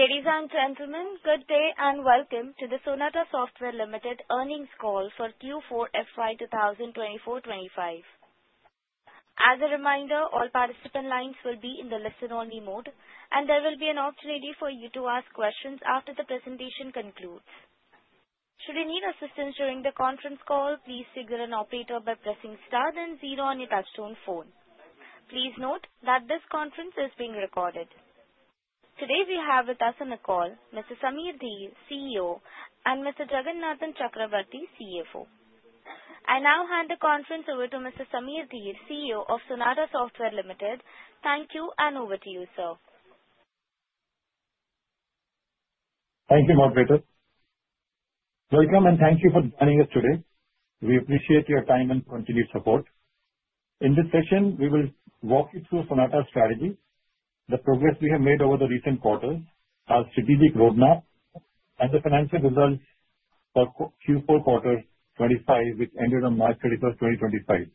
Ladies and gentlemen, good day and welcome to the Sonata Software Limited Earnings Call for Q4 FY 2024-25. As a reminder, all participant lines will be in the listen-only mode, and there will be an opportunity for you to ask questions after the presentation concludes. Should you need assistance during the conference call, please signal an operator by pressing star then 0 on your touch-tone phone. Please note that this conference is being recorded. Today we have with us on the call Mr. Samir Dhir, CEO, and Mr. Jagannathan Chakravarthi, CFO. I now hand the conference over to Mr. Samir Dhir, CEO of Sonata Software Limited. Thank you, and over to you, sir. Thank you, Margarita. Welcome, and thank you for joining us today. We appreciate your time and continued support. In this session, we will walk you through Sonata's strategy, the progress we have made over the recent quarters, our strategic roadmap, and the financial results for Q4 Quarter 25, which ended on March 31, 2025.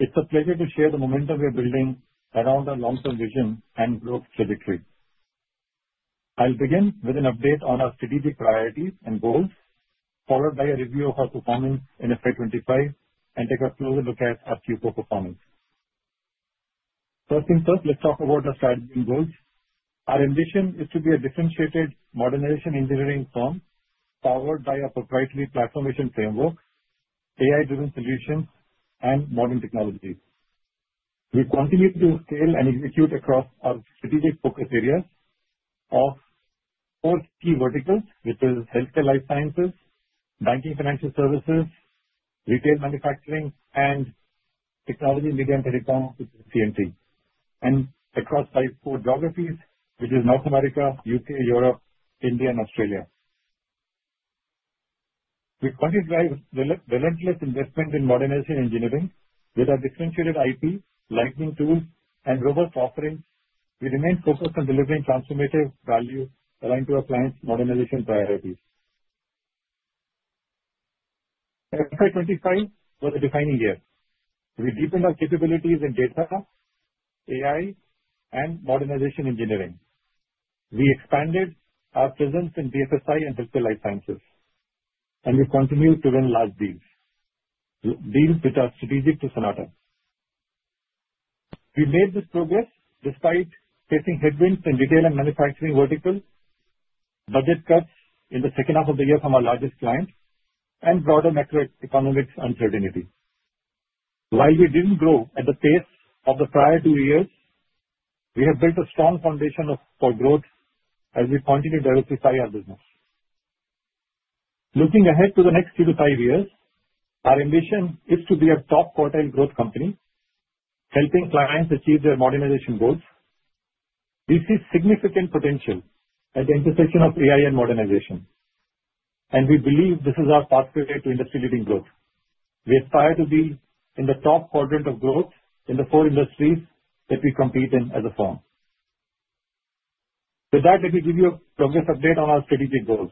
It's a pleasure to share the momentum we're building around our long-term vision and growth trajectory. I'll begin with an update on our strategic priorities and goals, followed by a review of our performance in FY 25, and take a closer look at our Q4 performance. First things first, let's talk about our strategy and goals. Our ambition is to be a differentiated modernization engineering firm powered by our proprietary platformization framework, AI-driven solutions, and modern technologies. We continue to scale and execute across our strategic focus areas of four key verticals, which are healthcare life sciences, banking financial services, retail manufacturing, and technology media and telecom TMT, and across five core geographies, which are North America, U.K., Europe, India, and Australia. We continue to drive relentless investment in modernization engineering with our differentiated IP, Lightning tools, and robust offerings. We remain focused on delivering transformative value aligned to our clients' modernization priorities. FY 25 was a defining year. We deepened our capabilities in data, AI, and modernization engineering. We expanded our presence in BFSI and healthcare life sciences, and we continue to win large deals with our strategic Sonata. We made this progress despite facing headwinds in retail and manufacturing verticals, budget cuts in the second half of the year from our largest client, and broader macroeconomic uncertainties. While we didn't grow at the pace of the prior two years, we have built a strong foundation for growth as we continue to diversify our business. Looking ahead to the next three to five years, our ambition is to be a top quartile growth company, helping clients achieve their modernization goals. We see significant potential at the intersection of AI and modernization, and we believe this is our pathway to industry-leading growth. We aspire to be in the top quadrant of growth in the four industries that we compete in as a firm. With that, let me give you a progress update on our strategic goals.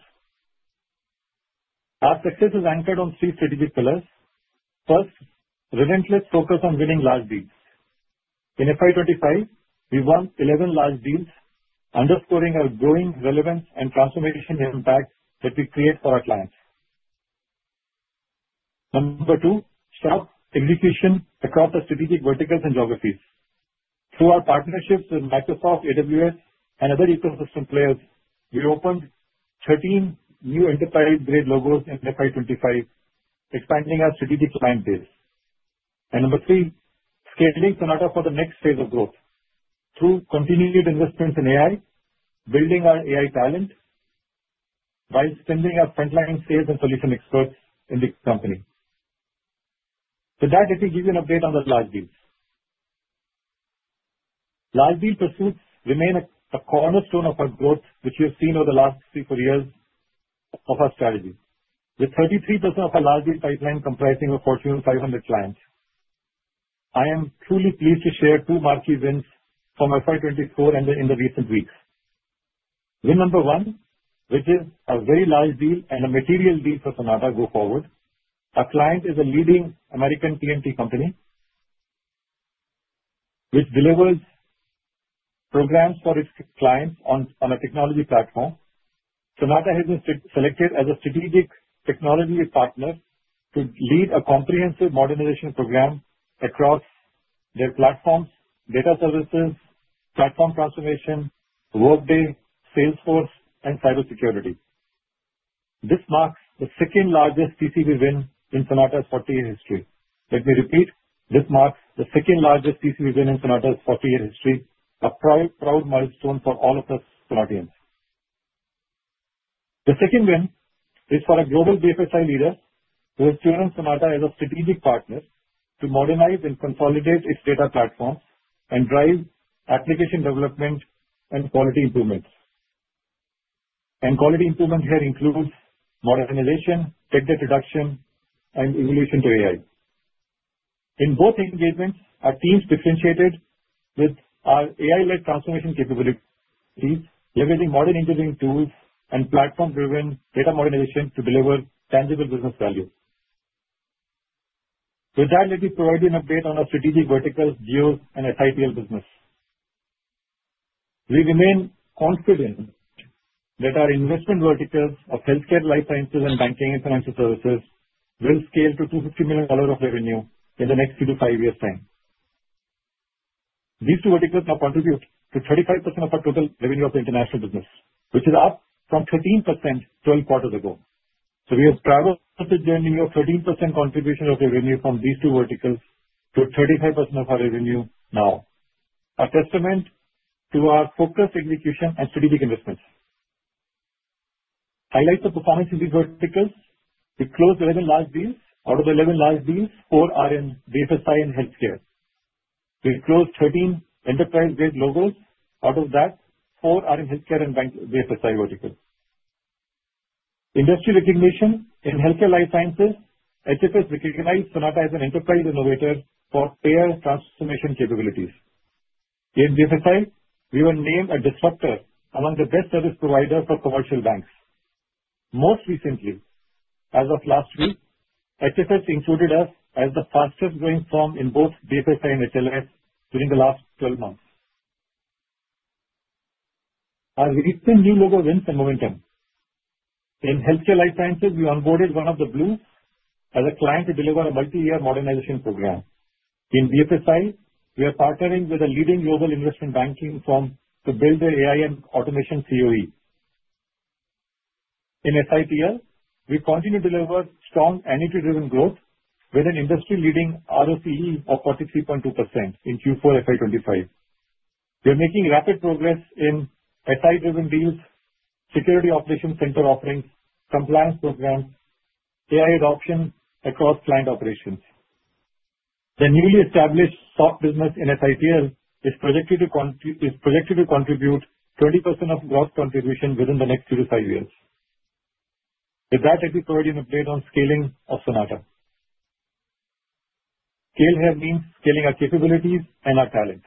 Our success is anchored on three strategic pillars. First, relentless focus on winning large deals. In FY 25, we won 11 large deals, underscoring our growing relevance and transformation impact that we create for our clients. Number two, sharp execution across our strategic verticals and geographies. Through our partnerships with Microsoft, AWS, and other ecosystem players, we opened 13 new enterprise-grade logos in FY 25, expanding our strategic client base. Number three, scaling Sonata for the next phase of growth through continued investments in AI, building our AI talent while upskilling our frontline sales and solution experts in the company. With that, let me give you an update on the large deals. Large deal pursuits remain a cornerstone of our growth, which we have seen over the last three to four years of our strategy, with 33% of our large deal pipeline comprising a Fortune 500 client. I am truly pleased to share two marquee wins from FY 24 and in the recent weeks. Win number one, which is a very large deal and a material deal for Sonata going forward. Our client is a leading American TMT company, which delivers programs for its clients on a technology platform. Sonata has been selected as a strategic technology partner to lead a comprehensive modernization program across their platforms, data services, platform transformation, Workday, Salesforce, and cybersecurity. This marks the second largest TCV win in Sonata's 40-year history. Let me repeat, this marks the second largest TCV win in Sonata's 40-year history, a proud milestone for all of us Sonatians. The second win is for a global BFSI leader, who has chosen Sonata as a strategic partner to modernize and consolidate its data platform and drive application development and quality improvements, and quality improvement here includes modernization, tech debt reduction, and evolution to AI. In both engagements, our teams differentiated with our AI-led transformation capabilities, leveraging modern engineering tools and platform-driven data modernization to deliver tangible business value. With that, let me provide you an update on our strategic verticals, deals, and SITL business. We remain confident that our investment verticals of healthcare life sciences and banking and financial services will scale to $250 million of revenue in the next three to five years' time. These two verticals now contribute to 35% of our total revenue of the international business, which is up from 13% 12 quarters ago. So we have traveled the journey of 13% contribution of revenue from these two verticals to 35% of our revenue now. A testament to our focused execution and strategic investments. Highlight the performance in these verticals. We closed 11 large deals. Out of the 11 large deals, four are in BFSI and healthcare. We closed 13 enterprise-grade logos. Out of that, four are in healthcare and banking BFSI verticals. Industry recognition in healthcare life sciences. HFS recognized Sonata as an enterprise innovator for payer transformation capabilities. In BFSI, we were named a disruptor among the best service providers for commercial banks. Most recently, as of last week, HFS included us as the fastest-growing firm in both BFSI and HLS during the last 12 months. Our recent new logo wins and momentum. In healthcare life sciences, we onboarded one of the Blues as a client to deliver a multi-year modernization program. In BFSI, we are partnering with a leading global investment banking firm to build the AI and automation COE. In SITL, we continue to deliver strong energy-driven growth with an industry-leading ROCE of 43.2% in Q4 FY 2025. We are making rapid progress in SI-driven deals, security operations center offerings, compliance programs, AI adoption across client operations. The newly established software business in SITL is projected to contribute 20% of gross contribution within the next three to five years. With that, let me provide you an update on scaling of Sonata. Scale here means scaling our capabilities and our talent.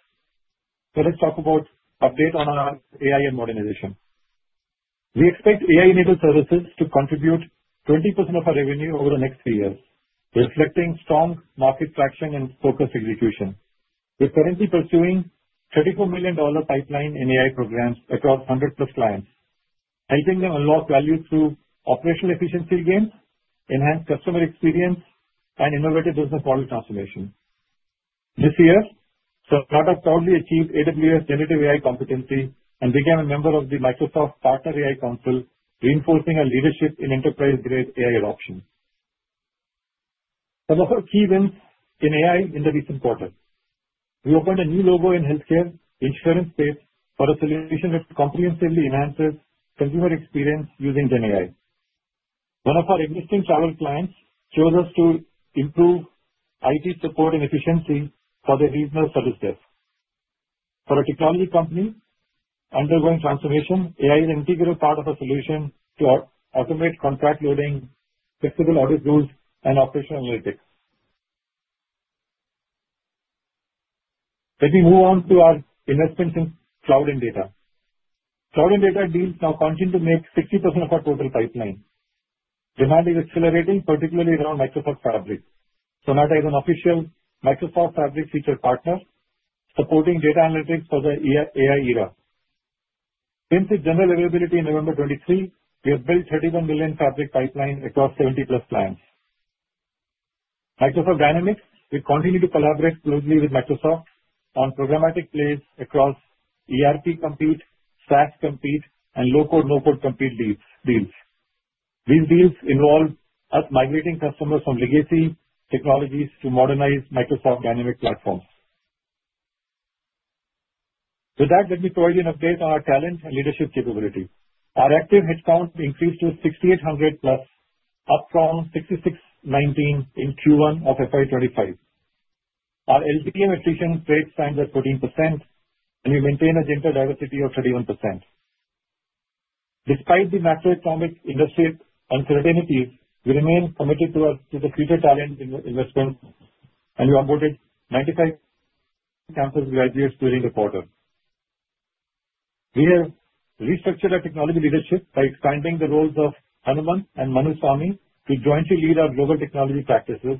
So let's talk about an update on our AI and modernization. We expect AI-enabled services to contribute 20% of our revenue over the next three years, reflecting strong market traction and focused execution. We're currently pursuing a $34 million pipeline in AI programs across 100-plus clients, helping them unlock value through operational efficiency gains, enhanced customer experience, and innovative business model transformation. This year, Sonata proudly achieved AWS generative AI competency and became a member of the Microsoft Partner AI Council, reinforcing our leadership in enterprise-grade AI adoption. Some of our key wins in AI in the recent quarter. We opened a new logo in healthcare insurance space for a solution that comprehensively enhances consumer experience using GenAI. One of our existing travel clients chose us to improve IT support and efficiency for their regional services. For a technology company undergoing transformation, AI is an integral part of our solution to automate contract loading, flexible audit rules, and operational analytics. Let me move on to our investments in cloud and data. Cloud and data deals now continue to make 60% of our total pipeline. Demand is accelerating, particularly around Microsoft Fabric. Sonata is an official Microsoft Fabric feature partner supporting data analytics for the AI era. Since its general availability in November 2023, we have built 31 million Fabric pipelines across 70-plus clients. Microsoft Dynamics, we continue to collaborate closely with Microsoft on programmatic plays across ERP Complete, SaaS Complete, and low-code, no-code Complete deals. These deals involve us migrating customers from legacy technologies to modernized Microsoft Dynamics platforms. With that, let me provide you an update on our talent and leadership capabilities. Our active headcount increased to 6,800 plus, up from 6,619 in Q1 of FY 25. Our LTM attrition rate stands at 14%, and we maintain a gender diversity of 31%. Despite the macroeconomic industry uncertainties, we remain committed to the future talent investments, and we onboarded 95 campus graduates during the quarter. We have restructured our technology leadership by expanding the roles of Hanumanth and Manu Swamy to jointly lead our global technology practices.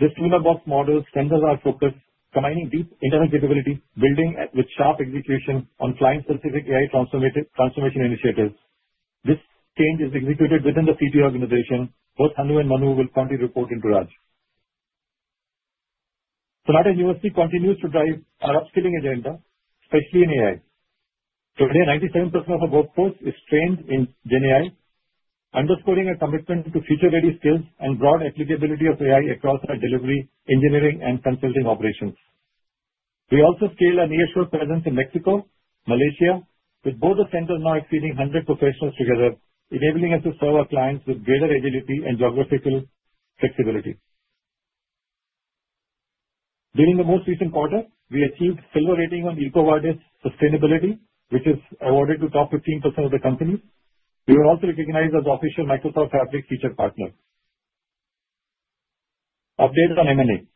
This toolbox model centers our focus, combining deep internal capabilities, building with sharp execution on client-specific AI transformation initiatives. This change is executed within the CT organization. Both Hanu and Manu will continue to report into Raj. Sonata University continues to drive our upskilling agenda, especially in AI. Today, 97% of our workforce is trained in GenAI, underscoring our commitment to future-ready skills and broad applicability of AI across our delivery, engineering, and consulting operations. We also scale our nearshore presence in Mexico, Malaysia, with both the centers now exceeding 100 professionals together, enabling us to serve our clients with greater agility and geographical flexibility. During the most recent quarter, we achieved silver rating on EcoVadis sustainability, which is awarded to the top 15% of the companies. We were also recognized as the official Microsoft Fabric featured partner. Update on M&A.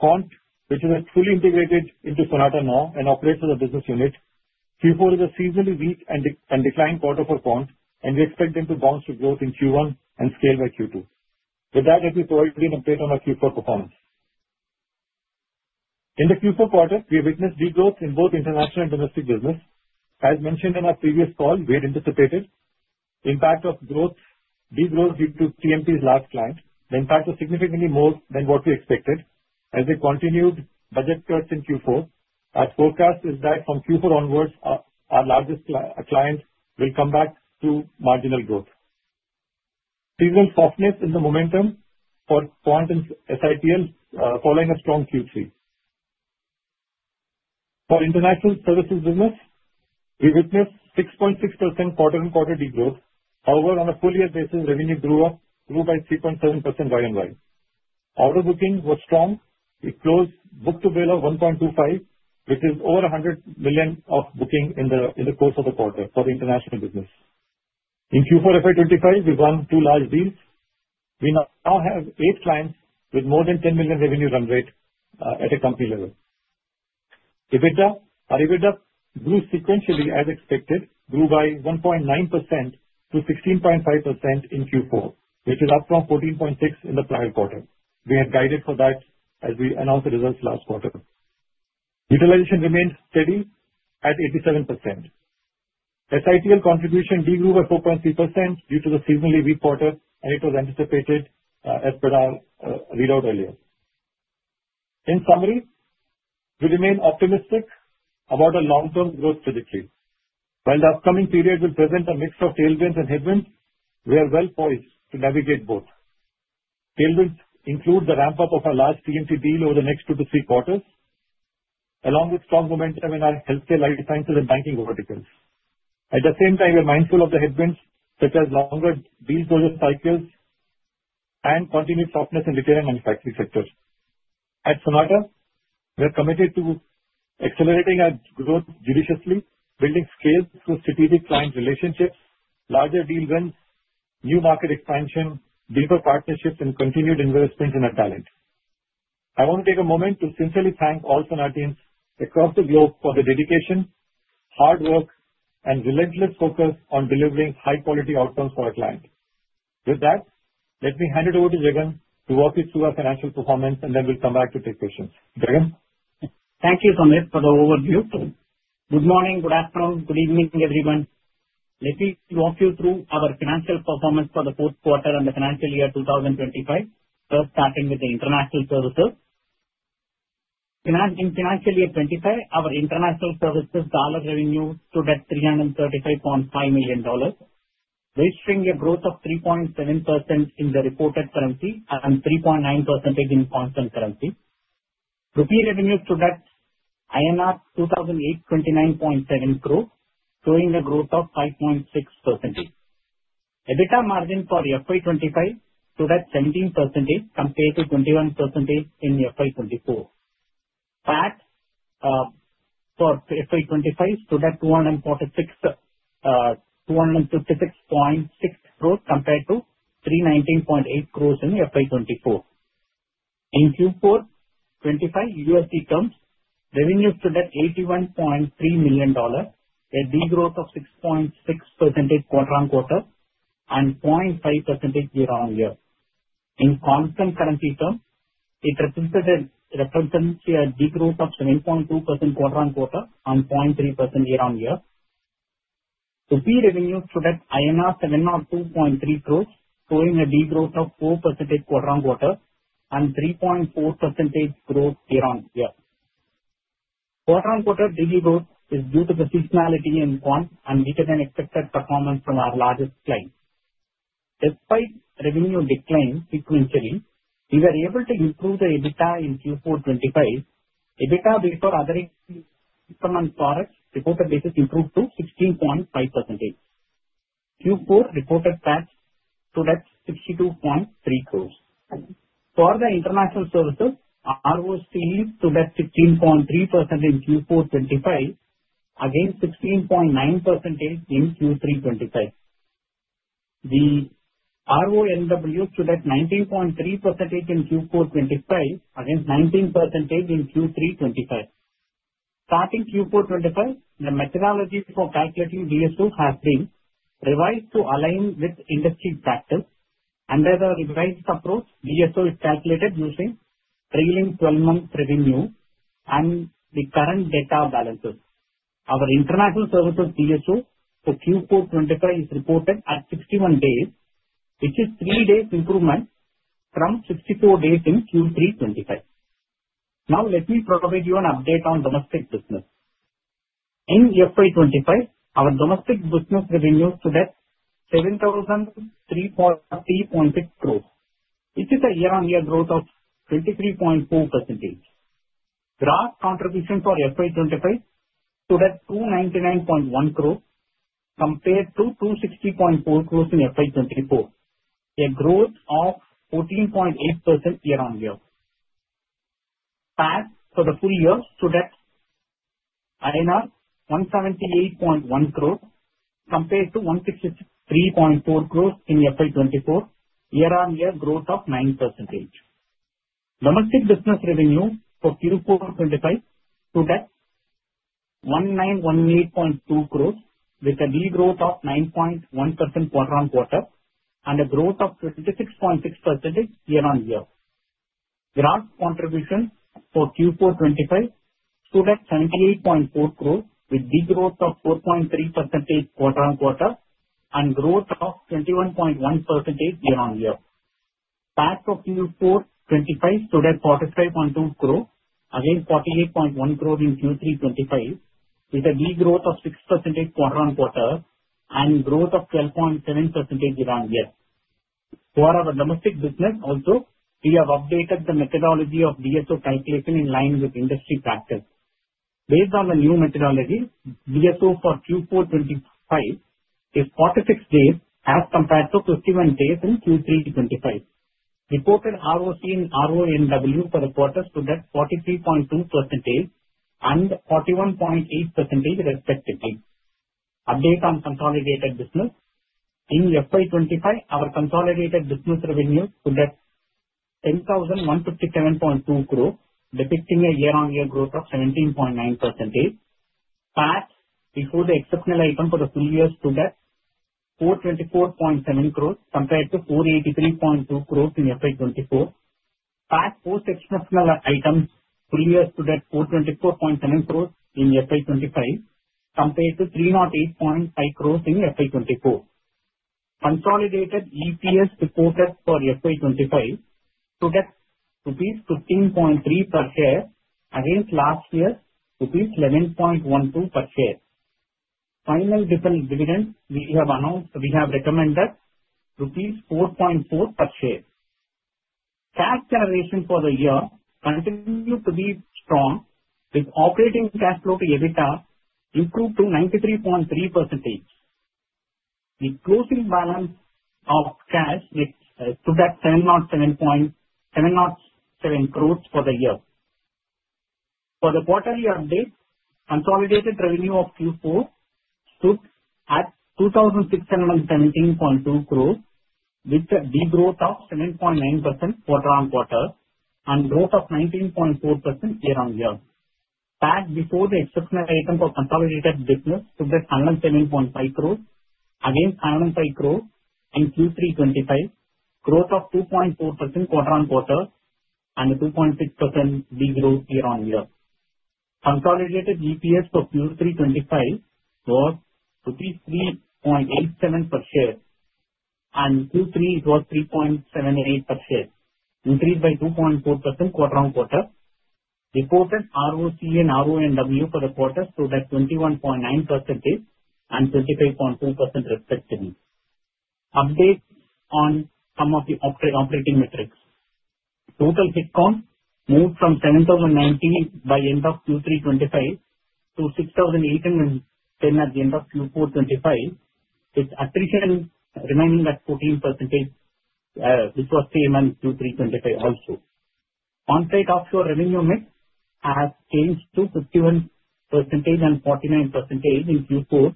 Quant, which is fully integrated into Sonata now and operates as a business unit. Q4 is a seasonally weak and declining quarter for Quant, and we expect them to bounce to growth in Q1 and scale by Q2. With that, let me provide you an update on our Q4 performance. In the Q4 quarter, we witnessed degrowth in both international and domestic business. As mentioned in our previous call, we had anticipated the impact of degrowth due to TMT's largest client. The impact was significantly more than what we expected as they continued budget cuts in Q4. Our forecast is that from Q4 onwards, our largest client will come back to marginal growth. Seasonal softness in the momentum for Quant and SITL following a strong Q3. For international services business, we witnessed 6.6% quarter-on-quarter degrowth. However, on a full-year basis, revenue grew by 3.7% year-on-year. Order booking was strong. We closed book-to-bill of 1.25, which is over 100 million of booking in the course of the quarter for the international business. In Q4 FY 2025, we won two large deals. We now have eight clients with more than 10 million revenue run rate at a company level. Our EBITDA grew sequentially as expected, grew by 1.9% to 16.5% in Q4, which is up from 14.6% in the prior quarter. We had guided for that as we announced the results last quarter. Utilization remained steady at 87%. SITL contribution degrew by 4.3% due to the seasonally weak quarter, and it was anticipated as per our readout earlier. In summary, we remain optimistic about our long-term growth trajectory. While the upcoming period will present a mix of tailwinds and headwinds, we are well poised to navigate both. Tailwinds include the ramp-up of our large TMT deal over the next two to three quarters, along with strong momentum in our healthcare life sciences and banking verticals. At the same time, we are mindful of the headwinds such as longer deal closure cycles and continued softness in the travel and manufacturing sectors. At Sonata, we are committed to accelerating our growth judiciously, building scale through strategic client relationships, larger deal wins, new market expansion, deeper partnerships, and continued investments in our talent. I want to take a moment to sincerely thank all Sonatians across the globe for the dedication, hard work, and relentless focus on delivering high-quality outcomes for our client. With that, let me hand it over to Jagan to walk you through our financial performance, and then we'll come back to take questions. Thank you, Samir, for the overview. Good morning, good afternoon, good evening, everyone. Let me walk you through our financial performance for the fourth quarter and the financial year 2025, first starting with the international services. In financial year 2025, our international services dollar revenue stood at $335.5 million, registering a growth of 3.7% in the reported currency and 3.9% in constant currency. Rupee revenue stood at INR 2,008.297 crore, showing a growth of 5.6%. EBITDA margin for FY 2025 stood at 17% compared to 21% in FY 2024. PAT for FY 2025 stood at 256.6 crore compared to 319.8 crores in FY 2024. In Q4 2025, USD terms, revenue stood at $81.3 million, with a degrowth of 6.6% quarter-on-quarter and 0.5% year-on-year. In constant currency terms, it represented a degrowth of 7.2% quarter-on-quarter and 0.3% year-on-year. Rupee revenue stood at INR 702.3 crore, showing a degrowth of 4% quarter-on-quarter and 3.4% growth year-on-year. Quarter-on-quarter degrowth is due to the seasonality in Quant and weaker than expected performance from our largest client. Despite revenue declining sequentially, we were able to improve the EBITDA in Q4 2025. EBITDA before other income, forex and reported basis improved to 16.5%. Q4 reported PAT stood at 62.3 crores. For the international services, ROCE stood at 16.3% in Q4 2025, against 16.9% in Q3 2025. The RONW stood at 19.3% in Q4 2025, against 19% in Q3 2025. Starting Q4 2025, the methodology for calculating DSO has been revised to align with industry practice. Under the revised approach, DSO is calculated using trailing 12-month revenue and the current data balances. Our international services DSO for Q4 2025 is reported at 61 days, which is a three-day improvement from 64 days in Q3 2025. Now, let me provide you an update on domestic business. In FY 2025, our domestic business revenue stood at INR 7,340.6 crore, which is a year-on-year growth of 23.4%. Gross contribution for FY 2025 stood at 299.1 crore, compared to 260.4 crores in FY 2024, a growth of 14.8% year-on-year. PAT for the full year stood at INR 178.1 crore, compared to 163.4 crores in FY 2024, a year-on-year growth of 9%. Domestic business revenue for Q4 2025 stood at 1,918.2 crores, with a degrowth of 9.1% quarter-on-quarter and a growth of 26.6% year-on-year. Gross contribution for Q4 2025 stood at 78.4 crores, with degrowth of 4.3% quarter-on-quarter and growth of 21.1% year-on-year. PAT for Q4 2025 stood at 45.2 crores, against 48.1 crores in Q3 2025, with a degrowth of 6% quarter-on-quarter and growth of 12.7% year-on-year. For our domestic business, also, we have updated the methodology of DSO calculation in line with industry practice. Based on the new methodology, DSO for Q4 2025 is 46 days as compared to 51 days in Q3 2025. Reported ROCE and RONW for the quarter stood at 43.2% and 41.8%, respectively. Update on consolidated business. In FY 2025, our consolidated business revenue stood at 10,157.2 crores, depicting a year-on-year growth of 17.9%. PAT, before the exceptional item for the full year, stood at 424.7 crores compared to 483.2 crores in FY 2024. PAT post-exceptional items, full year stood at 424.7 crores in FY 2025, compared to 308.5 crores in FY 2024. Consolidated EPS reported for FY 2025 stood at rupees 15.30 per share, against last year's rupees 11.12 per share. Final dividend, we have recommended rupees 4.40 per share. Cash generation for the year continued to be strong, with operating cash flow to EBITDA improved to 93.3%. The closing balance of cash stood at 707.7 crores for the year. For the quarterly update, consolidated revenue of Q4 stood at 2,617.2 crores, with a degrowth of 7.9% quarter-on-quarter and growth of 19.4% year-on-year. PAT before the exceptional item for consolidated business stood at 107.5 crores, against 105 crores in Q3 2025, growth of 2.4% quarter-on-quarter and 2.6% degrowth year-on-year. Consolidated EPS for Q4 2025 was INR 3.87 per share, and for Q3 it was 3.78 per share, increased by 2.4% quarter-on-quarter. Reported ROCE and RONW for the quarter stood at 21.9% and 25.2%, respectively. Update on some of the operating metrics. Total headcount moved from 7,090 by end of Q3 2025 to 6,810 at the end of Q4 2025, with attrition remaining at 14%, which was the same as Q3 2025 also. Onsite offshore revenue mix has changed to 51% and 49% in Q4,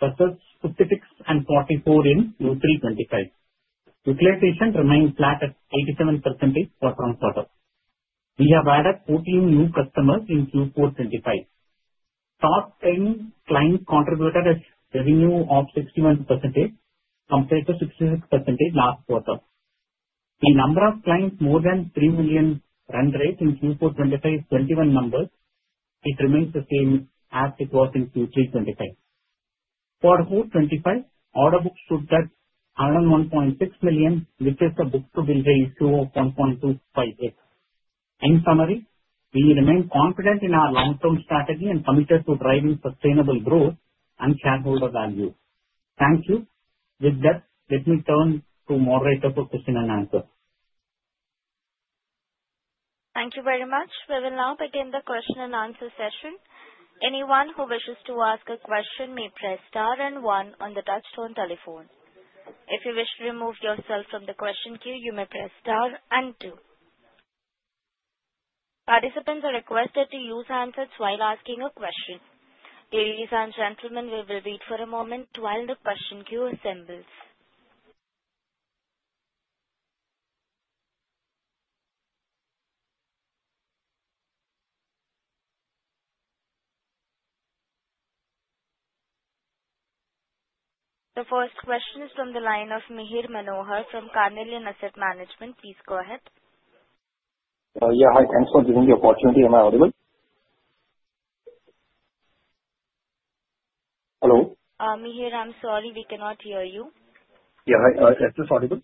versus 56% and 44% in Q3 2025. Utilization remained flat at 87% quarter-on-quarter. We have added 14 new customers in Q4 2025. Top 10 clients contributed a revenue of 61% compared to 66% last quarter. The number of clients more than $3 million run rate in Q4 2025 is 21 numbers. It remains the same as it was in Q3 2025. For Q4 2025, order books stood at $101.6 million, which is a book-to-bill ratio of 1.25x. In summary, we remain confident in our long-term strategy and committed to driving sustainable growth and shareholder value. Thank you. With that, let me turn to moderator for question-and-answer. Thank you very much. We will now begin the question-and answer session. Anyone who wishes to ask a question may press star and one on the touch-tone telephone. If you wish to remove yourself from the question queue, you may press star and two. Participants are requested to use handsets while asking a question. Ladies and gentlemen, we will wait for a moment while the question queue assembles. The first question is from the line of Mihir Manohar from Carnelian Asset Advisors. Please go ahead. Yeah, hi. Thanks for giving the opportunity. Am I audible? Hello? Mihir, I'm sorry. We cannot hear you. Yeah, hi. Is this audible?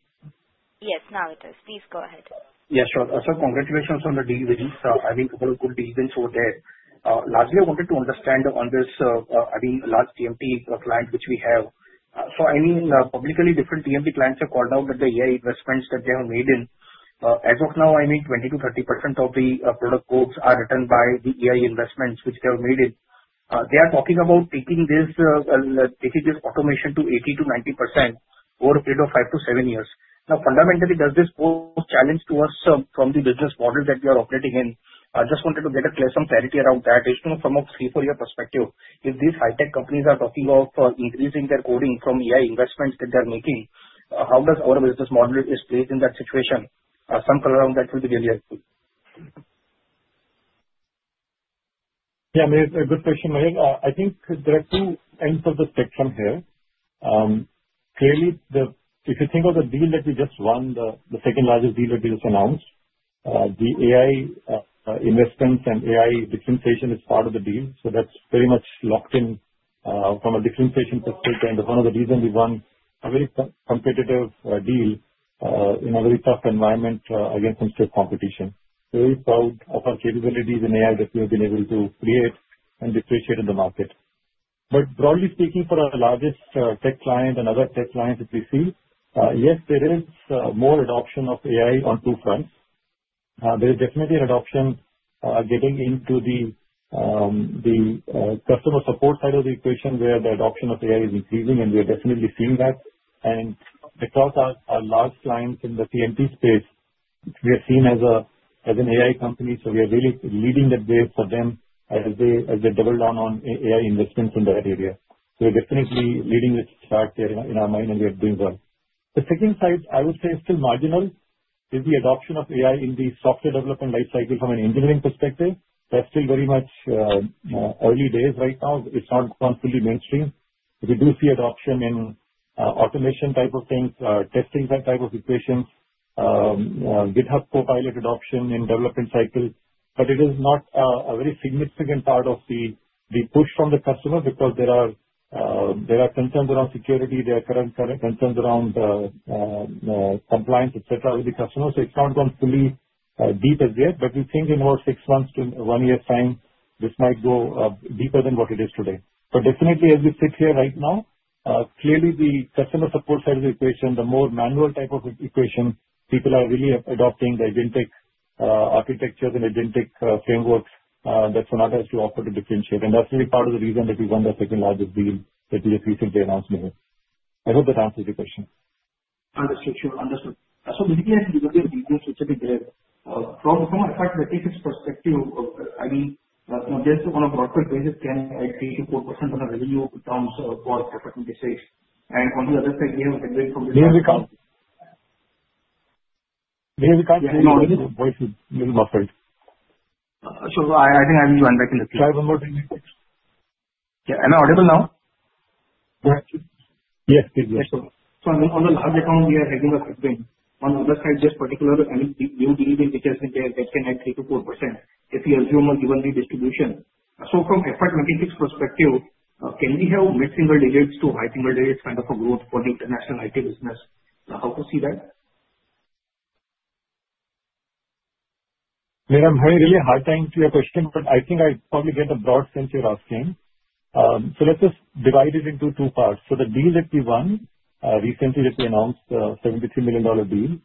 Yes, now it is. Please go ahead. Yeah, sure. Congratulations on the deal wins. I mean, a couple of good deals were there. Lastly, I wanted to understand on this last TMT client which we have. So I mean, publicly different TMT clients have called out that the AI investments that they have made in, as of now, I mean, 20%-30% of the product quotes are returned by the AI investments which they have made in. They are talking about taking this automation to 80%-90% over a period of five to seven years. Now, fundamentally, does this pose challenge to us from the business model that we are operating in? I just wanted to get some clarity around that. From a three-four year perspective, if these high-tech companies are talking of increasing their coding from AI investments that they are making, how does our business model is placed in that situation? Some color on that will be really helpful. Yeah, Mihir, good question, Mihir. I think there are two ends of the spectrum here. Clearly, if you think of the deal that we just won, the second largest deal that we just announced, the AI investments and AI differentiation is part of the deal. So that's very much locked in from a differentiation perspective. And one of the reasons we won a very competitive deal in a very tough environment against some stiff competition. We're very proud of our capabilities in AI that we have been able to create and differentiate in the market. But broadly speaking, for our largest tech client and other tech clients that we see, yes, there is more adoption of AI on two fronts. There is definitely an adoption getting into the customer support side of the equation where the adoption of AI is increasing, and we are definitely seeing that, and across our large clients in the TMT space, we are seen as an AI company, so we are really leading the way for them as they double down on AI investments in that area, so we're definitely leading the chart there in our mind, and we are doing well. The second side, I would say, is still marginal, is the adoption of AI in the software development lifecycle from an engineering perspective. That's still very much early days right now. It's not gone fully mainstream. We do see adoption in automation type of things, testing type of equations, GitHub Copilot adoption in development cycles. But it is not a very significant part of the push from the customer because there are concerns around security, there are current concerns around compliance, etc., with the customer. So it's not gone fully deep as yet. But we think in about six months to one year's time, this might go deeper than what it is today. But definitely, as we sit here right now, clearly, the customer support side of the equation, the more manual type of equation, people are really adopting the agentic architectures and agentic frameworks that Sonata has to offer to differentiate. And that's really part of the reason that we won the second largest deal that we just recently announced, Mihir. I hope that answers your question. Understood. Sure. Understood. So basically, I think this is a big deal. From a perspective, I mean, there's one of the output basis can add 3%-4% on the revenue terms for 2026. And on the other side, we have a deadline from the. Mihir, we can't hear you. No, this is voices. This is my friend. Sure. I think I will join back in a few. Try one more time. Yeah. Am I audible now? Yes. Yes. Yes. So on the large account, we are having a headwind. On the other side, this particular new deal which has been there, that can add 3%-4% if we assume a given distribution. So from FY 26 perspective, can we have mid-single digits to high single digits kind of a growth for the international IT business? How to see that? Mihir, I'm having a really hard time to your question, but I think I probably get a broad sense you're asking, so let's just divide it into two parts, so the deal that we won recently, that we announced, the $73 million deal,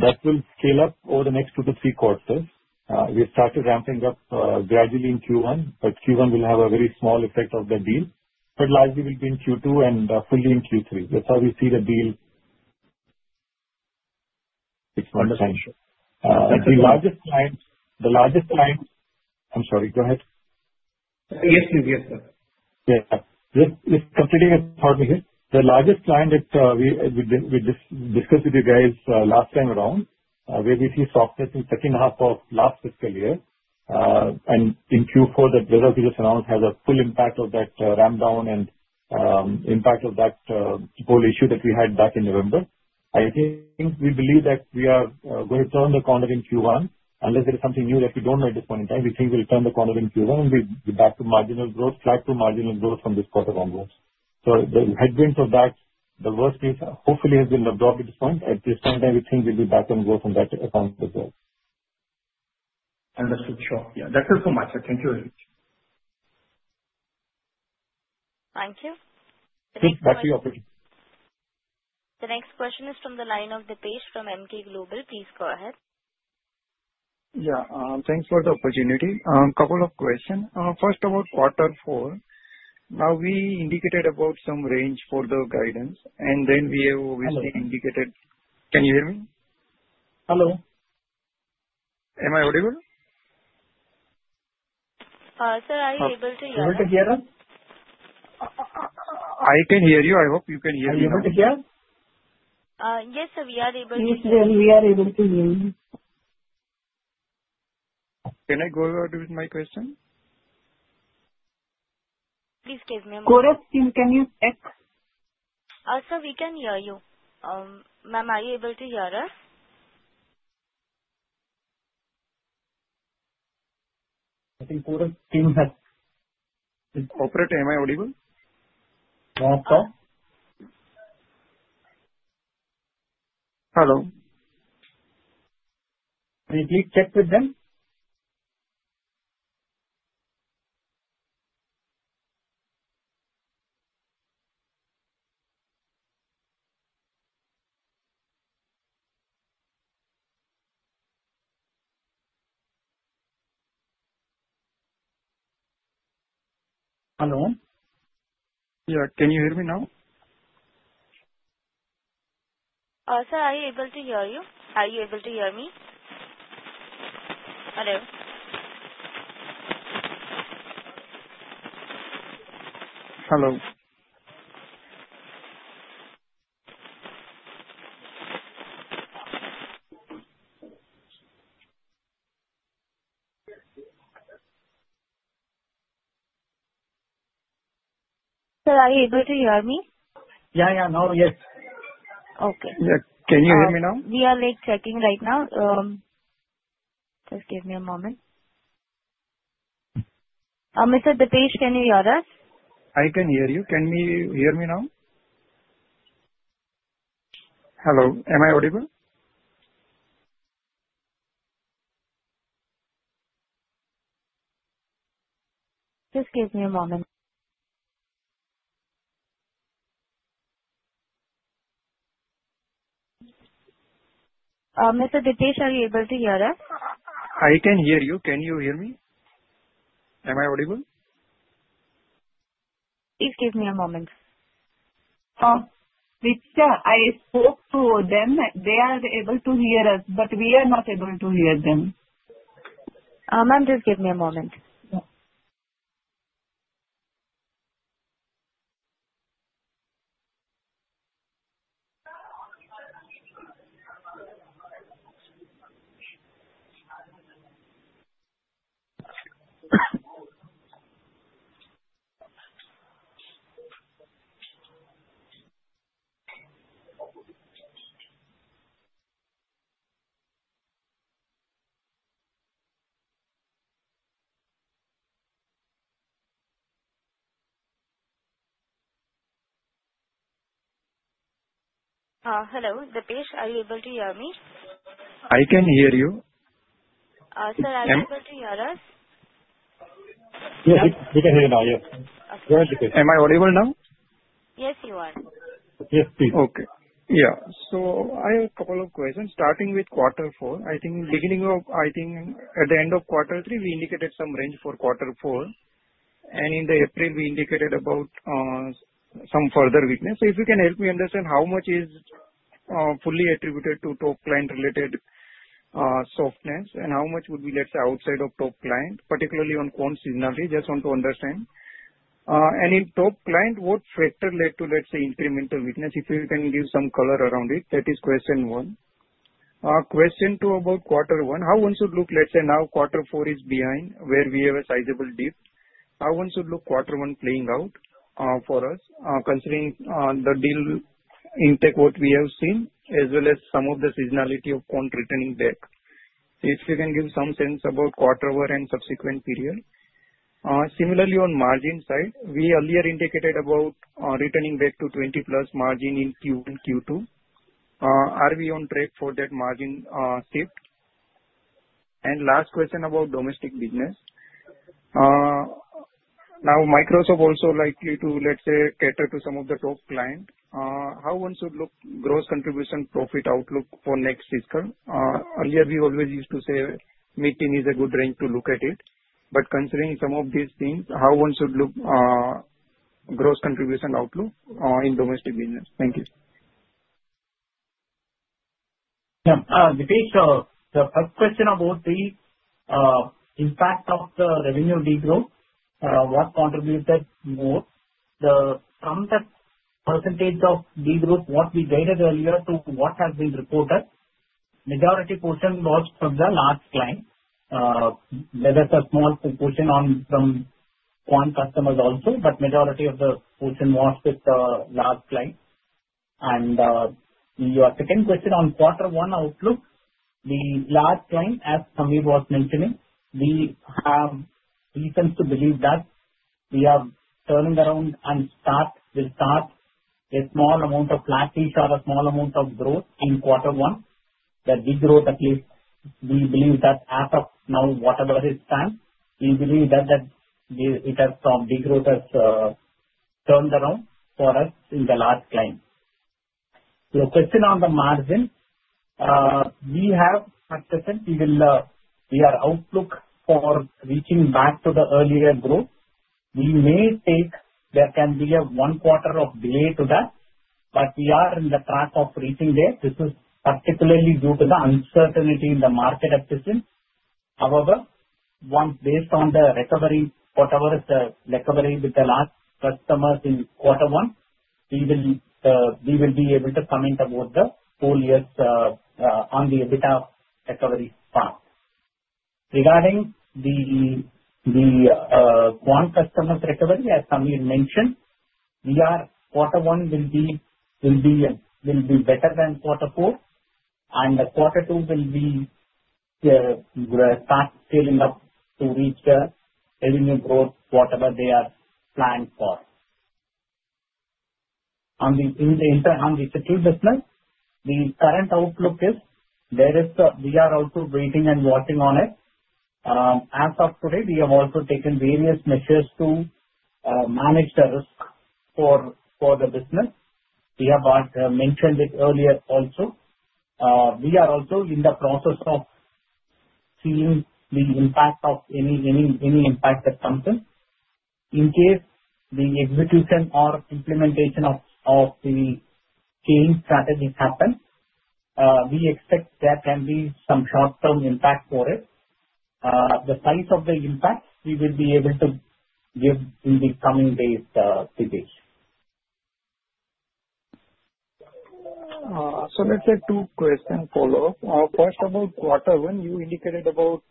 that will scale up over the next two to three quarters. We started ramping up gradually in Q1, but Q1 will have a very small effect of the deal. But largely, we'll be in Q2 and fully in Q3. That's how we see the deal. It's one of the largest clients. The largest clients. I'm sorry. Go ahead. Yes, please. Yes, sir. Yeah. Just completely for me, Mihir, the largest client that we discussed with you guys last time around, where we see softness in second half of last fiscal year. In Q4, that result we just announced has a full impact of that ramp down and impact of that whole issue that we had back in November. I think we believe that we are going to turn the corner in Q1. Unless there is something new that we don't know at this point in time, we think we'll turn the corner in Q1 and we'll be back to marginal growth, flat to marginal growth from this quarter onwards. So the headwinds of that, the worst case, hopefully, has been absorbed at this point. At this point in time, we think we'll be back on growth on that account as well. Understood. Sure. Yeah. That's it for my side. Thank you very much. Thank you. Thank you. Back to you, operator. The next question is from the line of Dipesh Mehta from Emkay Global Financial Services. Please go ahead. Yeah. Thanks for the opportunity. A couple of questions. First of all, quarter four. Now, we indicated about some range for the guidance, and then we have obviously indicated. Can you hear me? Hello. Am I audible? Sir, are you able to hear us? Are you able to hear us? I can hear you. I hope you can hear me. Are you able to hear us? Yes, sir. We are able to hear you. Yes, sir. We are able to hear you. Can I go ahead with my question? Please give me a moment. Corazin, can you check? Sir, we can hear you. Ma'am, are you able to hear us? I think Corazin has. Operator, am I audible? Hello. Can you please check with them? Hello. Yeah. Can you hear me now? Sir, are you able to hear me? Hello. Hello. Sir, are you able to hear me? Yeah, yeah. Now, yes. Okay. Yeah. Can you hear me now? We are checking right now. Just give me a moment. Mr. Dipesh, can you hear us? I can hear you. Can you hear me now? Hello. Am I audible? Just give me a moment. Mr. Dipesh, are you able to hear us? I can hear you. Can you hear me? Am I audible? Please give me a moment. Richard, I spoke to them. They are able to hear us, but we are not able to hear them. Ma'am, just give me a moment. Hello, Dipesh. Are you able to hear me? I can hear you. Sir, are you able to hear us? Yes, we can hear you now. Yes. Am I audible now? Yes, you are. Yes, please. Okay. Yeah. So I have a couple of questions. Starting with quarter four, I think beginning of, I think at the end of quarter three, we indicated some range for quarter four. And in April, we indicated about some further weakness. If you can help me understand how much is fully attributed to top client-related softness and how much would be, let's say, outside of top client, particularly in quarterly seasonality, just want to understand. And in top client, what factor led to, let's say, incremental weakness? If you can give some color around it, that is question one. Question two about quarter one, how one should look, let's say, now quarter four is behind where we have a sizable dip. How one should look quarter one playing out for us considering the deal intake what we have seen as well as some of the seasonality of quarter returning back? If you can give some sense about quarter over and subsequent period. Similarly, on margin side, we earlier indicated about returning back to 20-plus margin in Q1, Q2. Are we on track for that margin shift? And last question about domestic business. Now, Microsoft also likely to, let's say, cater to some of the top client. How one should look gross contribution profit outlook for next fiscal? Earlier, we always used to say mid-teen is a good range to look at it. But considering some of these things, how one should look gross contribution outlook in domestic business? Thank you. Yeah. The first question about the impact of the revenue degrowth, what contributed more? From the percentage of degrowth, what we gathered earlier to what has been reported, majority portion was from the large client. There was a small portion from Quant customers also, but majority of the portion was with the large client. And your second question on quarter one outlook, the large client, as Samir was mentioning, we have reasons to believe that we are turning around and start with a small amount of flatish or a small amount of growth in quarter one. That we grow at least, we believe that as of now, whatever is planned, we believe that it has some big growth has turned around for us in the large client. Your question on the margin, we have at present, our outlook for reaching back to the earlier growth. There may be a one-quarter delay to that, but we are on track of reaching there. This is particularly due to the uncertainty in the market at present. However, once based on the recovery, whatever is the recovery with the large customers in quarter one, we will be able to comment about the whole year on the EBITDA recovery path. Regarding the Quant customers recovery, as Samir mentioned, quarter one will be better than quarter four. Quarter two will start scaling up to reach the revenue growth, whatever they are planned for. On the inter-industry business, the current outlook is there is we are also waiting and watching on it. As of today, we have also taken various measures to manage the risk for the business. We have mentioned it earlier also. We are also in the process of seeing the impact of any impact that comes in. In case the execution or implementation of the change strategy happens, we expect there can be some short-term impact for it. The size of the impact, we will be able to give in the coming days, Dipesh. So let's say two questions follow up. First of all, quarter one, you indicated about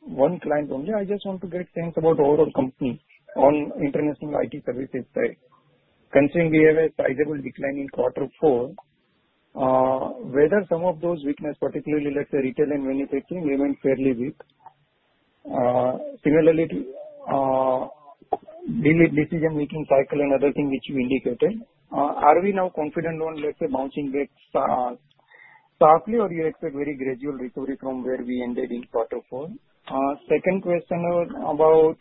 one client only. I just want to get sense about overall company on international IT services side. Considering we have a sizable decline in quarter four, whether some of those weakness, particularly let's say retail and manufacturing, they went fairly weak. Similarly, delayed decision-making cycle and other things which you indicated. Are we now confident on, let's say, bouncing back softly or you expect very gradual recovery from where we ended in quarter four? Second question about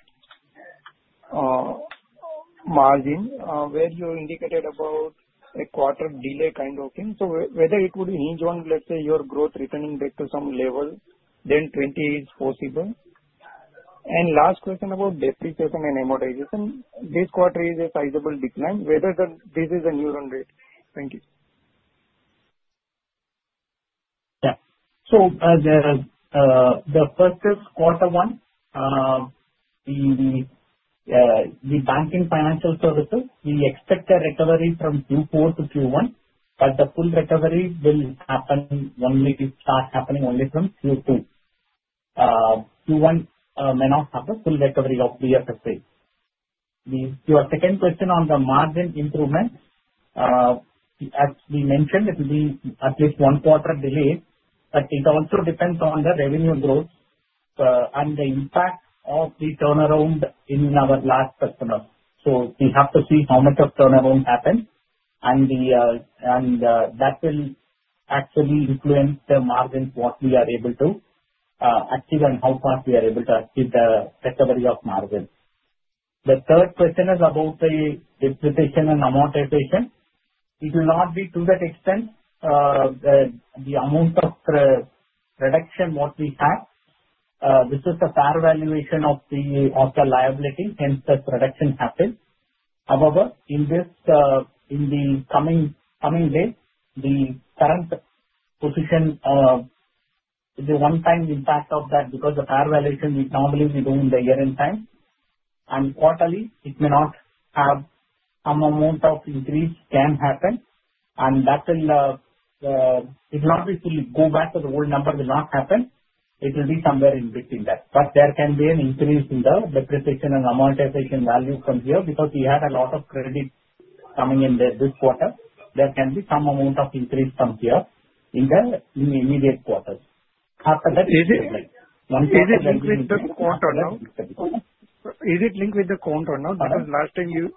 margin, where you indicated about a quarter delay kind of thing. So whether it would hinge on, let's say, your growth returning back to some level, then 20 is possible. And last question about depreciation and amortization. This quarter is a sizable decline, whether this is a new run rate. Thank you. Yeah, so the first is quarter one. The banking, financial services, we expect a recovery from Q4 to Q1, but the full recovery will only start happening from Q2. Q1 may not have a full recovery of the BFSI. Your second question on the margin improvement, as we mentioned, it will be at least one quarter delay, but it also depends on the revenue growth and the impact of the turnaround in our large customers. So we have to see how much of turnaround happens, and that will actually influence the margins, what we are able to achieve and how fast we are able to achieve the recovery of margin. The third question is about the depreciation and amortization. It will not be to that extent. The amount of reduction what we have, this is a fair valuation of the liability, hence the reduction happens. However, in the coming days, the current position, the one-time impact of that, because the fair valuation, normally we do in the year in time. And quarterly, it may not have some amount of increase can happen. And that will not be fully go back to the whole number will not happen. It will be somewhere in between that. But there can be an increase in the depreciation and amortization value from here because we had a lot of credit coming in this quarter. There can be some amount of increase from here in the immediate quarter. After that, it will be one quarter. Is it linked with the Quant or no? Because last time you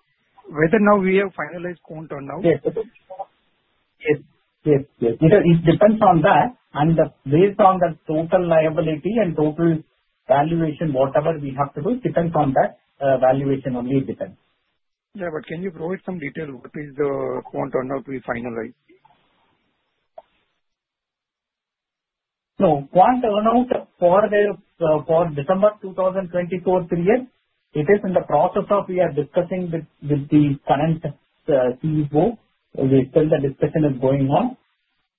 whether now we have finalized Quant or no? Yes. Yes. Yes. Yes. It depends on that. And based on the total liability and total valuation, whatever we have to do, it depends on that valuation only it depends. Yeah. But can you provide some detail what is the Quant Systems we finalized? No. Quant Systems for the December 2024 period, it is in the process of we are discussing with the current CEO. We said the discussion is going on.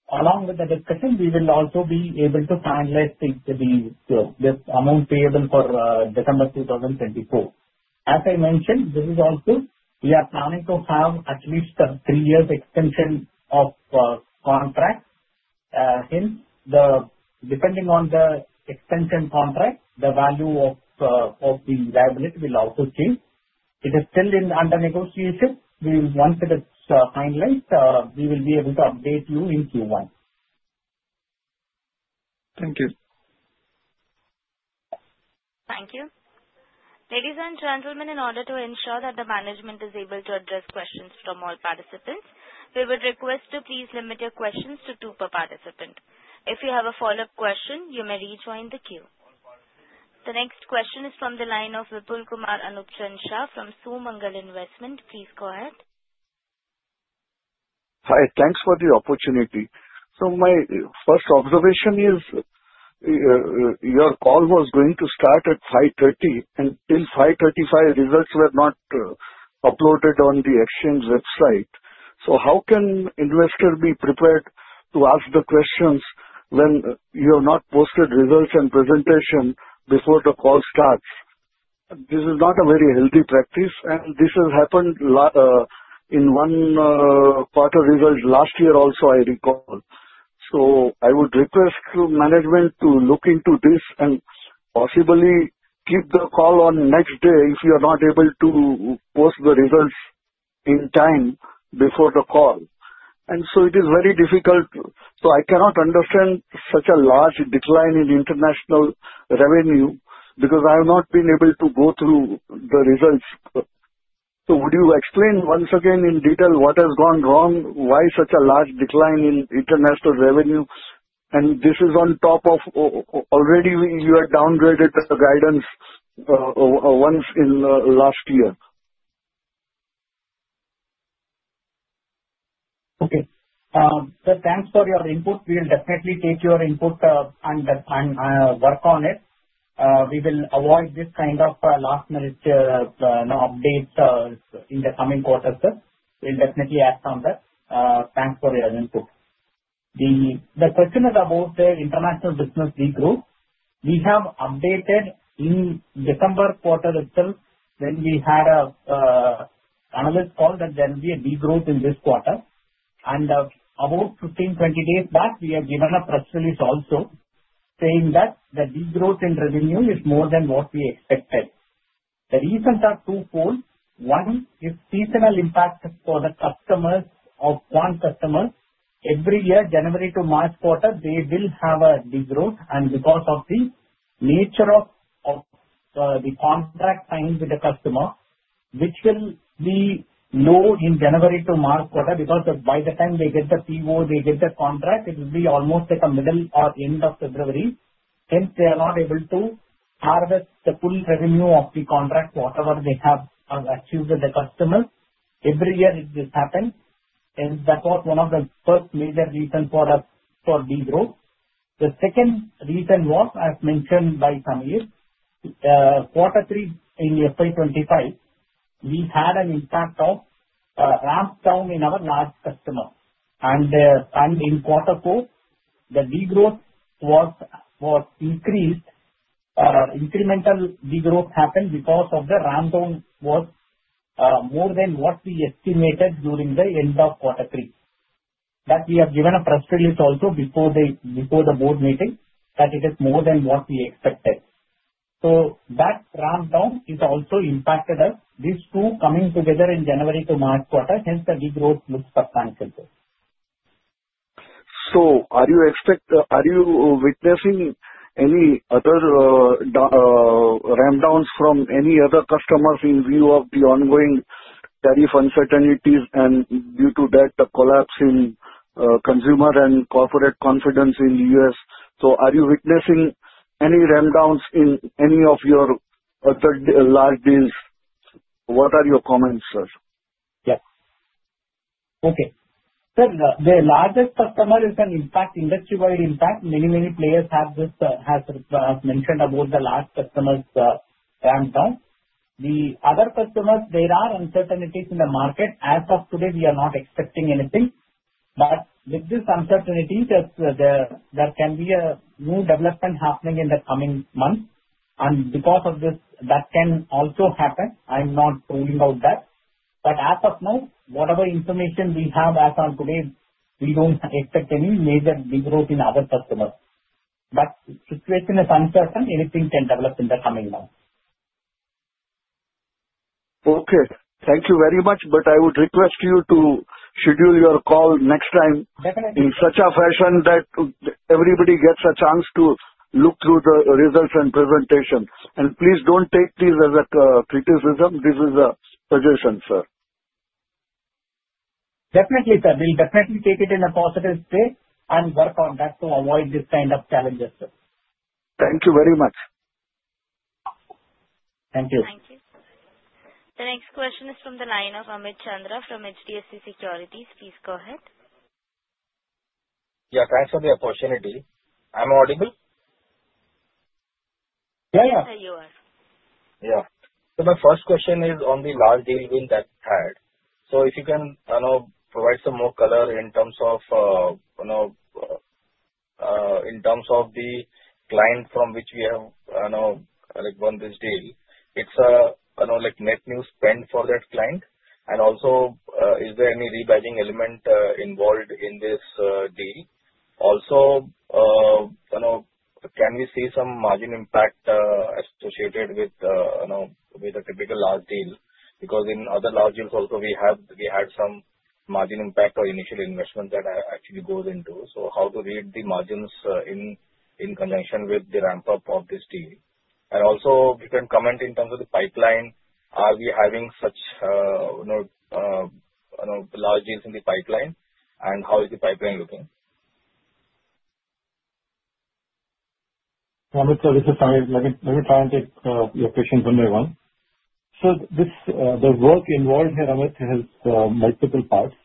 Along with the discussion, we will also be able to finalize the amount payable for December 2024. As I mentioned, this is also we are planning to have at least a three-year extension of contract. Hence, depending on the extension contract, the value of the liability will also change. It is still under negotiation. Once it is finalized, we will be able to update you in Q1. Thank you. Thank you. Ladies and gentlemen, in order to ensure that the management is able to address questions from all participants, we would request to please limit your questions to two per participant. If you have a follow-up question, you may rejoin the queue. The next question is from the line of Vipul Kumar Shah from Sumangal Investment. Please go ahead. Hi. Thanks for the opportunity. So my first observation is your call was going to start at 5:30 P.M., and till 5:35 P.M., results were not uploaded on the exchange website. So how can investors be prepared to ask the questions when you have not posted results and presentation before the call starts? This is not a very healthy practice, and this has happened in one quarter result last year also, I recall. So, I would request management to look into this and possibly keep the call on next day if you are not able to post the results in time before the call. And so it is very difficult. So, I cannot understand such a large decline in international revenue because I have not been able to go through the results. So, would you explain once again in detail what has gone wrong, why such a large decline in international revenue? And this is on top of already you had downgraded the guidance once in last year. Okay. So, thanks for your input. We will definitely take your input and work on it. We will avoid this kind of last-minute updates in the coming quarters. We'll definitely act on that. Thanks for your input. The question is about the international business degrowth. We have updated in December quarter itself when we had an analyst call that there will be a degrowth in this quarter. And about 15-20 days back, we have given a press release also saying that the degrowth in revenue is more than what we expected. The reasons are twofold. One is seasonal impact for the customers of Quant customers. Every year, January to March quarter, they will have a degrowth. And because of the nature of the contract signed with the customer, which will be low in January to March quarter, because by the time they get the PO, they get the contract, it will be almost like a middle or end of February. Hence, they are not able to harvest the full revenue of the contract, whatever they have achieved with the customers. Every year it just happens. That was one of the first major reasons for the reorg. The second reason was, as mentioned by Samir, quarter three in FY25, we had an impact of ramp down in our large customer. In quarter four, the reorg was increased. Incremental reorg happened because the ramp down was more than what we estimated during the end of quarter three. That we have given a press release also before the board meeting that it is more than what we expected. That ramp down has also impacted us. These two coming together in January to March quarter, hence the reorg looks substantial. Are you witnessing any other ramp downs from any other customers in view of the ongoing tariff uncertainties and due to that the collapse in consumer and corporate confidence in the U.S.? So are you witnessing any ramp downs in any of your other large deals? What are your comments, sir? Yes. Okay. So the largest customer is an impact, industry-wide impact. Many, many players have mentioned about the large customers' ramp down. The other customers, there are uncertainties in the market. As of today, we are not expecting anything. But with this uncertainty, there can be a new development happening in the coming months. And because of this, that can also happen. I'm not ruling out that. But as of now, whatever information we have as of today, we don't expect any major degrowth in other customers. But the situation is uncertain. Anything can develop in the coming months. Okay. Thank you very much. But I would request you to schedule your call next time in such a fashion that everybody gets a chance to look through the results and presentation. And please don't take this as a criticism. This is a suggestion, sir. Definitely, sir. We'll definitely take it in a positive space and work on that to avoid this kind of challenges, sir. Thank you very much. Thank you. Thank you. The next question is from the line of Amit Chandra from HDFC Securities. Please go ahead. Yeah. Thanks for the opportunity. I'm audible? Yeah, yeah. Yes, sir, you are. Yeah. So my first question is on the large deal win that we had. So if you can provide some more color in terms of the client from which we have won this deal, is it net new spend for that client? And also, is there any rebadging element involved in this deal? Also, can we see some margin impact associated with a typical large deal? Because in other large deals also, we had some margin impact or initial investment that actually goes into. So how to read the margins in conjunction with the ramp up of this deal? And also, if you can comment in terms of the pipeline, are we having such large deals in the pipeline? And how is the pipeline looking? Amit, so this is Samir. Let me try and take your question one by one. So the work involved here, Amit, has multiple parts.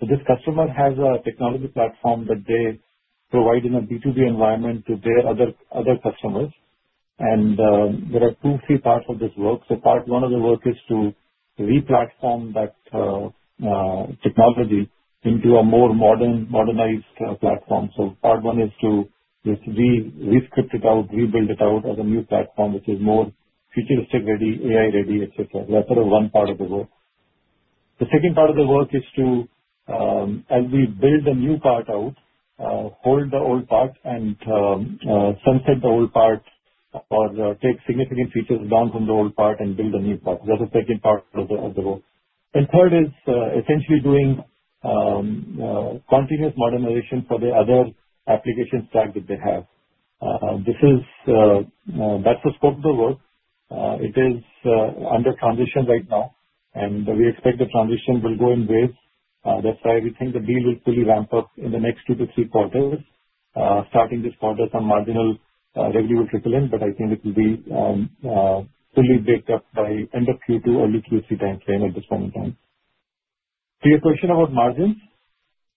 So this customer has a technology platform that they provide in a B2B environment to their other customers. And there are two, three parts of this work. So part one of the work is to replatform that technology into a more modernized platform. So part one is to rescript it out, rebuild it out as a new platform, which is more futuristic ready, AI ready, etc. That's one part of the work. The second part of the work is to, as we build a new part out, hold the old part and sunset the old part or take significant features down from the old part and build a new part. That's the second part of the work. And third is essentially doing continuous modernization for the other application stack that they have. That's the scope of the work. It is under transition right now. And we expect the transition will go in waves. That's why we think the deal will fully ramp up in the next two to three quarters. Starting this quarter, some marginal revenue will trickle in, but I think it will be fully baked up by end of Q2, early Q3 timeframe at this point in time. To your question about margins,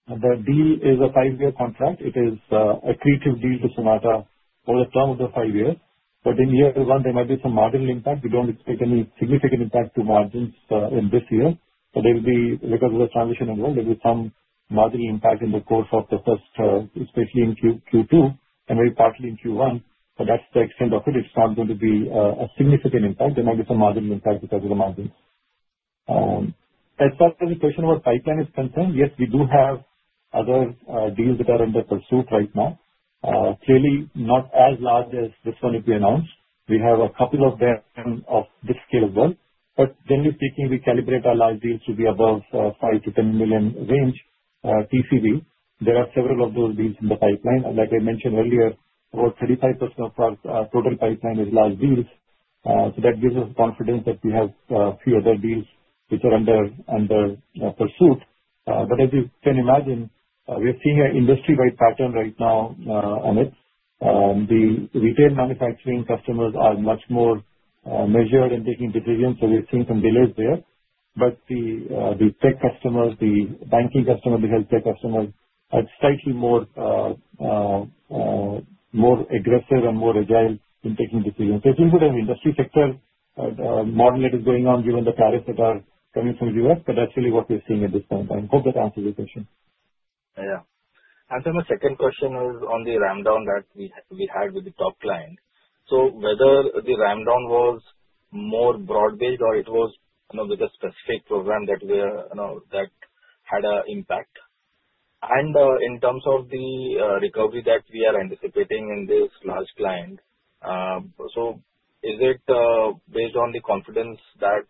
the deal is a five-year contract. It is a creative deal to Sonata over the term of the five years. But in year one, there might be some marginal impact. We don't expect any significant impact to margins in this year. But because of the transition as well, there will be some marginal impact in the course of the first, especially in Q2, and maybe partly in Q1. But that's the extent of it. It's not going to be a significant impact. There might be some marginal impact because of the margins. As far as the question about pipeline is concerned, yes, we do have other deals that are under pursuit right now. Clearly, not as large as this one that we announced. We have a couple of them of this scale as well. But generally speaking, we calibrate our large deals to be above five to 10 million range TCV. There are several of those deals in the pipeline, and like I mentioned earlier, about 35% of our total pipeline is large deals. So that gives us confidence that we have a few other deals which are under pursuit, but as you can imagine, we are seeing an industry-wide pattern right now, Amit. The retail manufacturing customers are much more measured in taking decisions, so we're seeing some delays there. But the tech customers, the banking customers, the healthcare customers are slightly more aggressive and more agile in taking decisions. So it seems that the industry sector model that is going on, given the tariffs that are coming from the U.S., but that's really what we're seeing at this point in time. Hope that answers your question. Yeah, and then my second question is on the ramp down that we had with the top client. So whether the ramp down was more broad-based or it was with a specific program that had an impact, and in terms of the recovery that we are anticipating in this large client, so is it based on the confidence that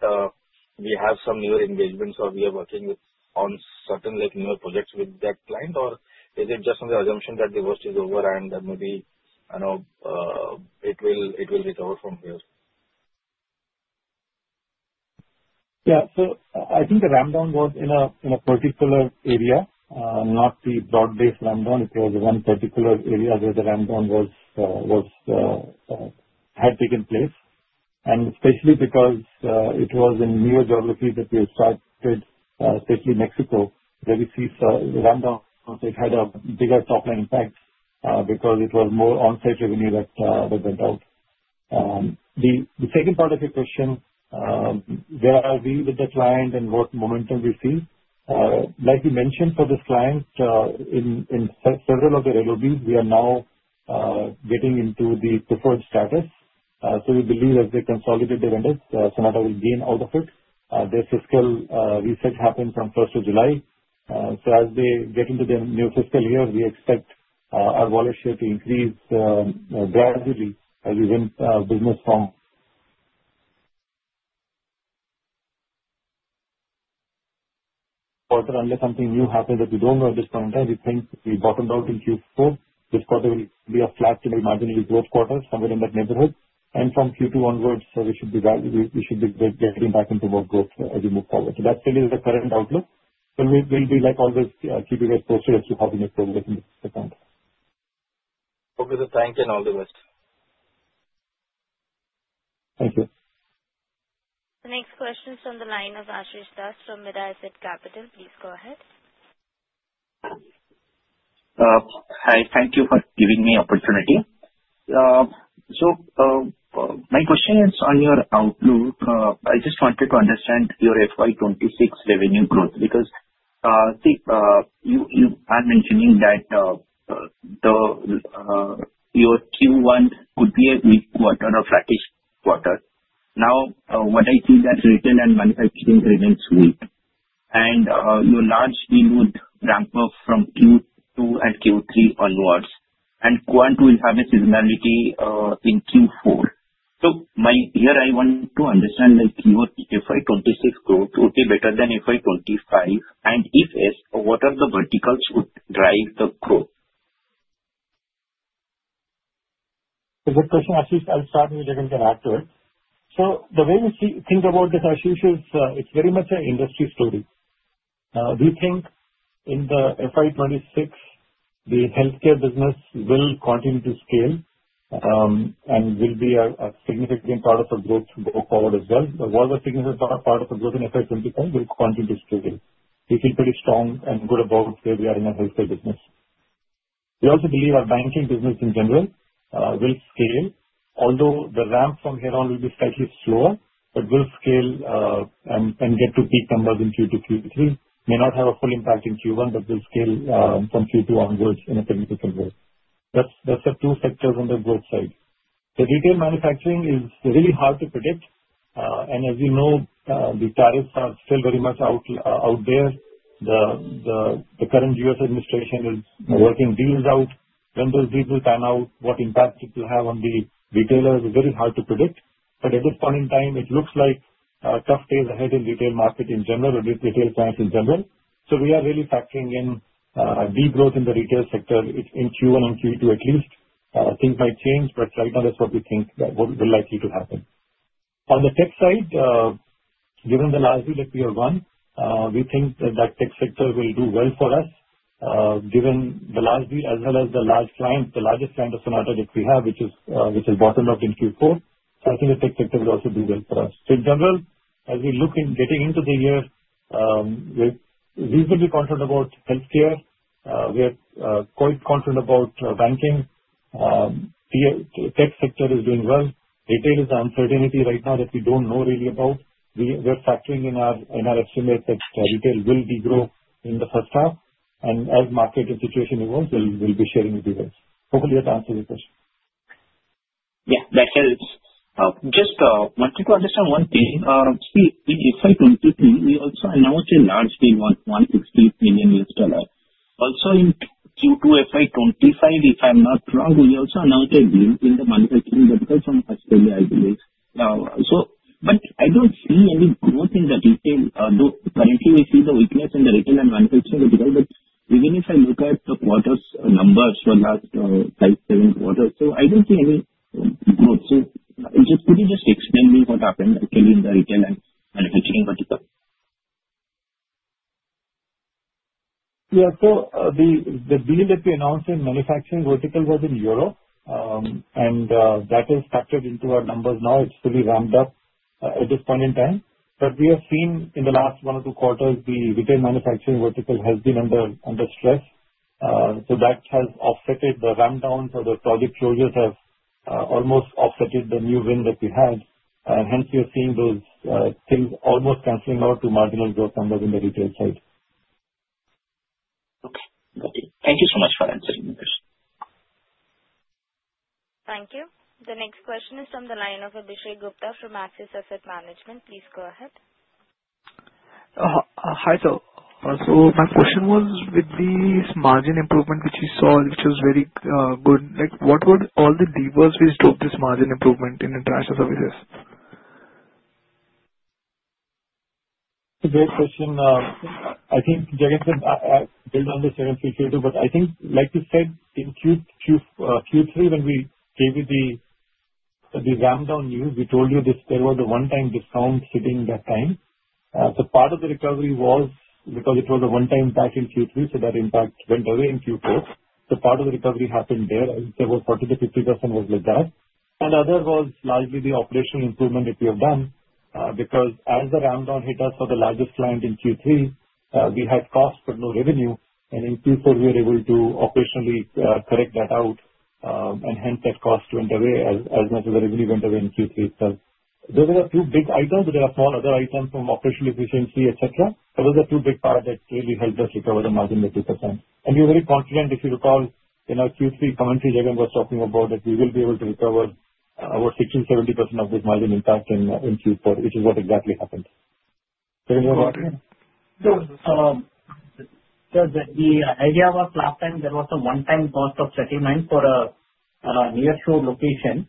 we have some newer engagements or we are working on certain newer projects with that client, or is it just on the assumption that the worst is over and maybe it will recover from here? Yeah. So I think the ramp down was in a particular area, not the broad-based ramp down. It was one particular area where the ramp down had taken place, and especially because it was in newer geographies that we started, especially Mexico, where we see the ramp down, it had a bigger top-line impact because it was more on-site revenue that went out. The second part of your question, where are we with the client and what momentum we see? Like you mentioned, for this client, in several of the LOBs, we are now getting into the preferred status. So we believe as they consolidate their vendors, Sonata will gain out of it. Their fiscal reset happened from first of July. So as they get into their new fiscal year, we expect our velocity to increase gradually as we win business from. Unless something new happens that we don't know at this point in time, we think we bottomed out in Q4. This quarter will be a flat to marginally growth quarter, somewhere in that neighborhood, and from Q2 onwards, we should be getting back into more growth as we move forward, so that still is the current outlook. But we'll be always keeping it posted as to how we make progress in this account. Okay. Thank you and all the best. Thank you. The next question is from the line of Asis Das from Mirae Asset Capital. Please go ahead. Hi. Thank you for giving me opportunity. So my question is on your outlook. I just wanted to understand your FY26 revenue growth because you are mentioning that your Q1 could be a weak quarter or flattish quarter. Now, what I see is that retail and manufacturing remains weak. And your large deal would ramp up from Q2 and Q3 onwards. And Quant will have a seasonality in Q4. So here I want to understand your FY26 growth would be better than FY25. And if so, what are the verticals that would drive the growth? It's a good question, Ashish. I'll start with you and then get back to it. So the way we think about this, Ashish, is it's very much an industry story. We think in the FY26, the healthcare business will continue to scale and will be a significant part of the growth going forward as well. But what was significant part of the growth in FY25 will continue to scale. We feel pretty strong and good about where we are in our healthcare business. We also believe our banking business in general will scale. Although the ramp from here on will be slightly slower, it will scale and get to peak numbers in Q2, Q3. May not have a full impact in Q1, but will scale from Q2 onwards in a significant way. That's the two sectors on the growth side. The retail manufacturing is really hard to predict. And as you know, the tariffs are still very much out there. The current U.S. administration is working deals out. When those deals will pan out, what impact it will have on the retailers is very hard to predict. But at this point in time, it looks like tough days ahead in retail market in general, retail clients in general. So we are really factoring in degrowth in the retail sector in Q1 and Q2 at least. Things might change, but right now, that's what we think will likely happen. On the tech side, given the large deal that we have won, we think that that tech sector will do well for us given the large deal as well as the large client, the largest client of Sonata that we have, which is bottomed out in Q4. So I think the tech sector will also do well for us. So in general, as we look at getting into the year, we're reasonably confident about healthcare. We're quite confident about banking. Tech sector is doing well. Retail is the uncertainty right now that we don't know really about. We're factoring in our estimate that retail will degrow in the first half. And as market and situation evolves, we'll be sharing with you guys. Hopefully, that answers your question. Yeah. That helps. Just wanted to understand one thing. See, in FY23, we also announced a large deal worth $160 million. Also in Q2 FY25, if I'm not wrong, we also announced a deal in the manufacturing vertical from Australia, I believe. But I don't see any growth in the retail. Currently, we see the weakness in the retail and manufacturing vertical. But even if I look at the quarter's numbers for the last five, seven quarters, so I don't see any growth. So could you just explain to me what happened actually in the retail and manufacturing vertical? Yeah. So the deal that we announced in manufacturing vertical was in Europe. And that has factored into our numbers now. It's fully ramped up at this point in time. But we have seen in the last one or two quarters, the retail manufacturing vertical has been under stress. So that has offset the ramp down. So the project closures have almost offset the new win that we had. And hence, we are seeing those things almost canceling out to marginal growth numbers in the retail side. Okay. Got it. Thank you so much for answering my question. Thank you. The next question is from the line of Abhishek Gupta from Axis Asset Management. Please go ahead. Hi. So my question was with this margin improvement which you saw, which was very good. What were all the levers which drove this margin improvement in international services? Great question. I think, Jagan, can build on this a little bit too. But I think, like you said, in Q3, when we gave you the ramp down news, we told you there was a one-time discount sitting that time. So part of the recovery was because it was a one-time impact in Q3, so that impact went away in Q4. So part of the recovery happened there. I would say about 40%-50% was with that. And the other was largely the operational improvement that we have done. Because as the ramp down hit us for the largest client in Q3, we had cost but no revenue, and in Q4, we were able to operationally correct that out. And hence, that cost went away as much as the revenue went away in Q3 itself. Those are the two big items. There are small other items from operational efficiency, etc., but those are two big parts that really helped us recover the margin by 2%. And we were very confident. If you recall, in our Q3 commentary, Jagan was talking about that we will be able to recover about 60%-70% of this margin impact in Q4, which is what exactly happened. So any more questions? So the idea was last time there was a one-time cost of settlement for a near-shore location.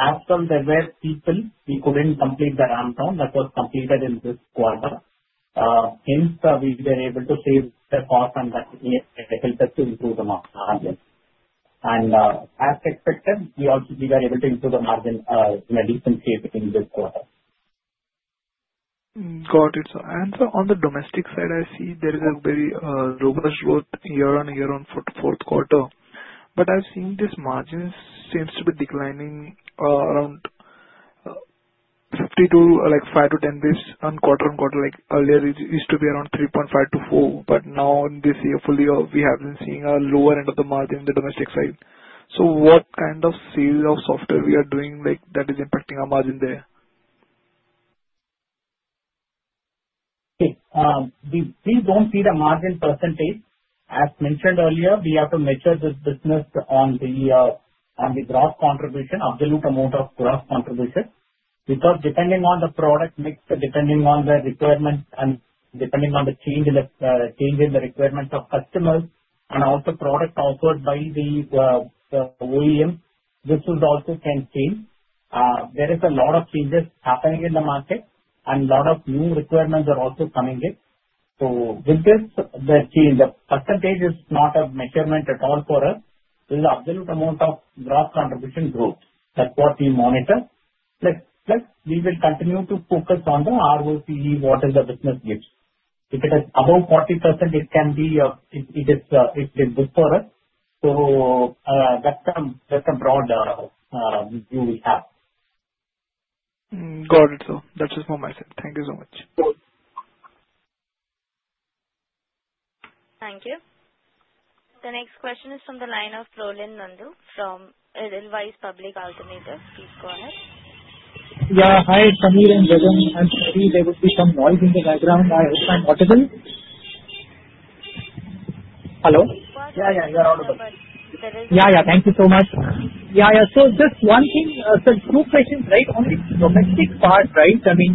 As well, there were people who couldn't complete the ramp down that was completed in this quarter. Hence, we were able to save the cost, and that helped us to improve the margin, and as expected, we were able to improve the margin in a decent way in this quarter. Got it, and so on the domestic side, I see there is a very robust growth year-on-year on fourth quarter, but I've seen this margin seems to be declining around 5-10 basis points on quarter on quarter. Earlier, it used to be around 3.5% to 4%, but now, in this year, fully, we have been seeing a lower end of the margin on the domestic side. So what kind of sale of software we are doing that is impacting our margin there? We don't see the margin percentage. As mentioned earlier, we have to measure the business on the gross contribution, absolute amount of gross contribution. Because depending on the product mix, depending on the requirements, and depending on the change in the requirements of customers, and also product offered by the OEM, this also can change. There is a lot of changes happening in the market, and a lot of new requirements are also coming in. So with this, the percentage is not a measurement at all for us. There is an absolute amount of gross contribution growth. That's what we monitor. Plus, we will continue to focus on the ROCE, what the business gets. If it is above 40%, it can be good for us. So that's a broad view we have. Got it. So that's just from my side. Thank you so much. Thank you. The next question is from the line of Prolin Nandu from Edelweiss Public Alternatives. Please go ahead. Yeah. Hi, Samir and Jagan. I'm sorry, there would be some noise in the background. I hope I'm audible. Hello? Yeah, yeah. You're audible. Yeah, yeah. Thank you so much. Yeah, yeah. So just one thing. So two questions, right? Only domestic part, right? I mean,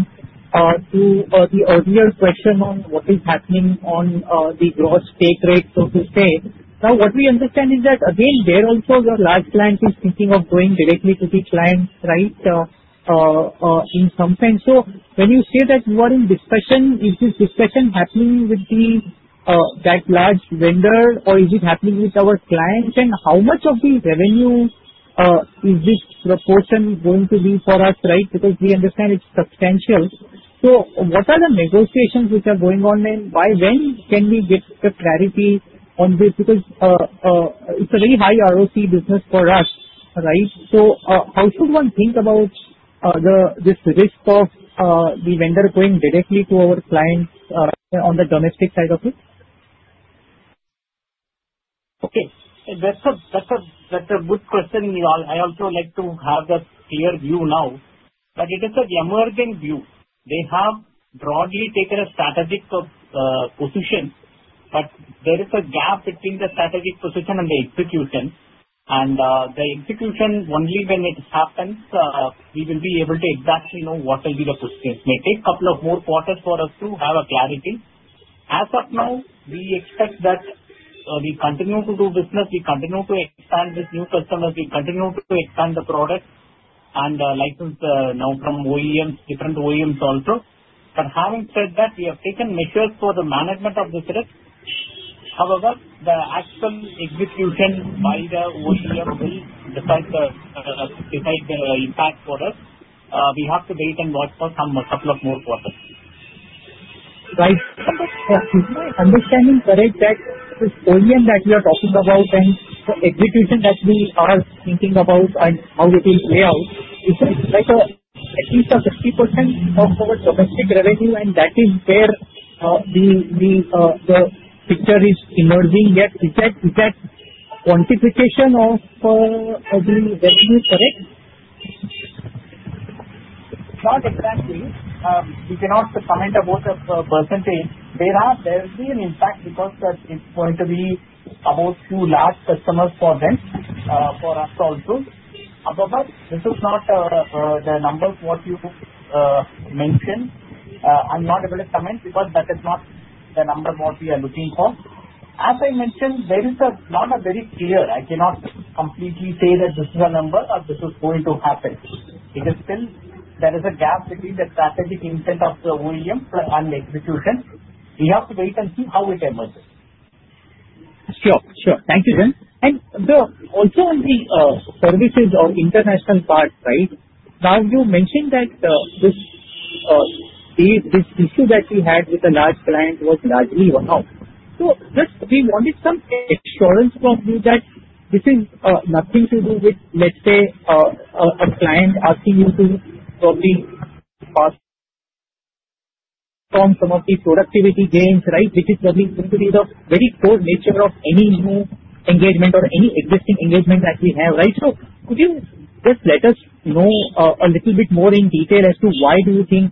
to the earlier question on what is happening on the gross take rate, so to say. Now, what we understand is that, again, there also, your large client is thinking of going directly to the client, right, in some sense. So when you say that you are in discussion, is this discussion happening with that large vendor, or is it happening with our client? And how much of the revenue is this proportion going to be for us, right? Because we understand it's substantial. So what are the negotiations which are going on, and by when can we get the clarity on this? Because it's a very high ROCE business for us, right? So how should one think about this risk of the vendor going directly to our clients on the domestic side of it? Okay. That's a good question. I also like to have a clear view now. But it is an emerging view. They have broadly taken a strategic position, but there is a gap between the strategic position and the execution. And the execution, only when it happens, we will be able to exactly know what will be the position. It may take a couple of more quarters for us to have clarity. As of now, we expect that we continue to do business. We continue to expand with new customers. We continue to expand the product and license now from different OEMs also. But having said that, we have taken measures for the management of this risk. However, the actual execution by the OEM will decide the impact for us. We have to wait and watch for a couple of more quarters. Right. But my understanding correct that this OEM that we are talking about and the execution that we are thinking about and how it will play out, it's like at least 50% of our domestic revenue, and that is where the picture is emerging. Is that quantification of the revenue correct? Not exactly. We cannot comment about the percentage. There will be an impact because it's going to be about two large customers for them, for us also. However, this is not the number what you mentioned. I'm not able to comment because that is not the number what we are looking for. As I mentioned, there is not a very clear, I cannot completely say that this is a number or this is going to happen. Because still, there is a gap between the strategic intent of the OEM and the execution. We have to wait and see how it emerges. Sure. Sure. Thank you, Jagan. And also on the services or international part, right? Now, you mentioned that this issue that we had with the large client was largely worked out. So we wanted some assurance from you that this is nothing to do with, let's say, a client asking you to probably transform some of the productivity gains, right? Which is probably going to be the very core nature of any new engagement or any existing engagement that we have, right? So could you just let us know a little bit more in detail as to why do you think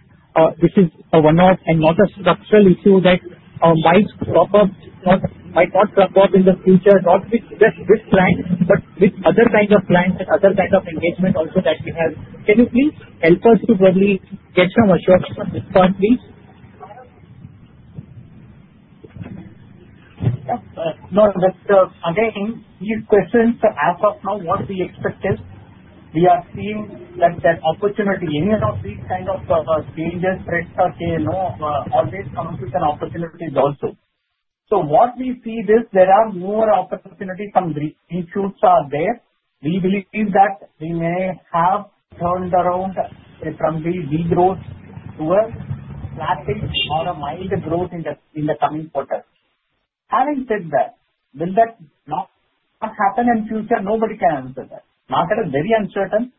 this is a one-off and not a structural issue that might crop up, might not crop up in the future, not with this client, but with other kinds of clients and other kinds of engagement also that we have? Can you please help us to probably get some assurance on this part, please? No, again, these questions, as of now, what we expect is we are seeing that opportunity. Any one of these kinds of changes, threats, or always come with an opportunity also. So what we see is there are more opportunities. Some issues are there. We believe that we may have turned around from the degrowth to a flattened or a mild growth in the coming quarter. Having said that, will that not happen in the future? Nobody can answer that. Now, that is very uncertain.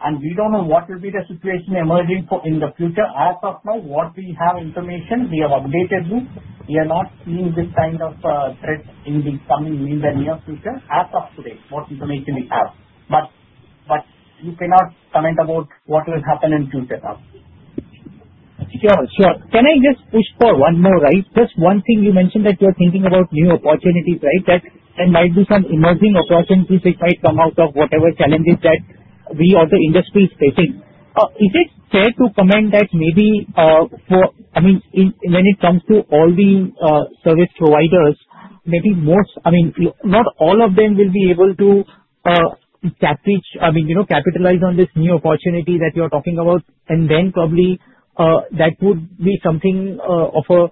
And we don't know what will be the situation emerging in the future. As of now, what we have information, we have updated you. We are not seeing this kind of threat in the coming near future. As of today, what information we have. But you cannot comment about what will happen in the future now. Sure. Sure. Can I just push for one more, right? Just one thing you mentioned that you are thinking about new opportunities, right? That there might be some emerging opportunities that might come out of whatever challenges that we or the industry is facing. Is it fair to comment that maybe for, I mean, when it comes to all the service providers, maybe most, I mean, not all of them will be able to capitalize on this new opportunity that you are talking about. And then probably that would be something of a,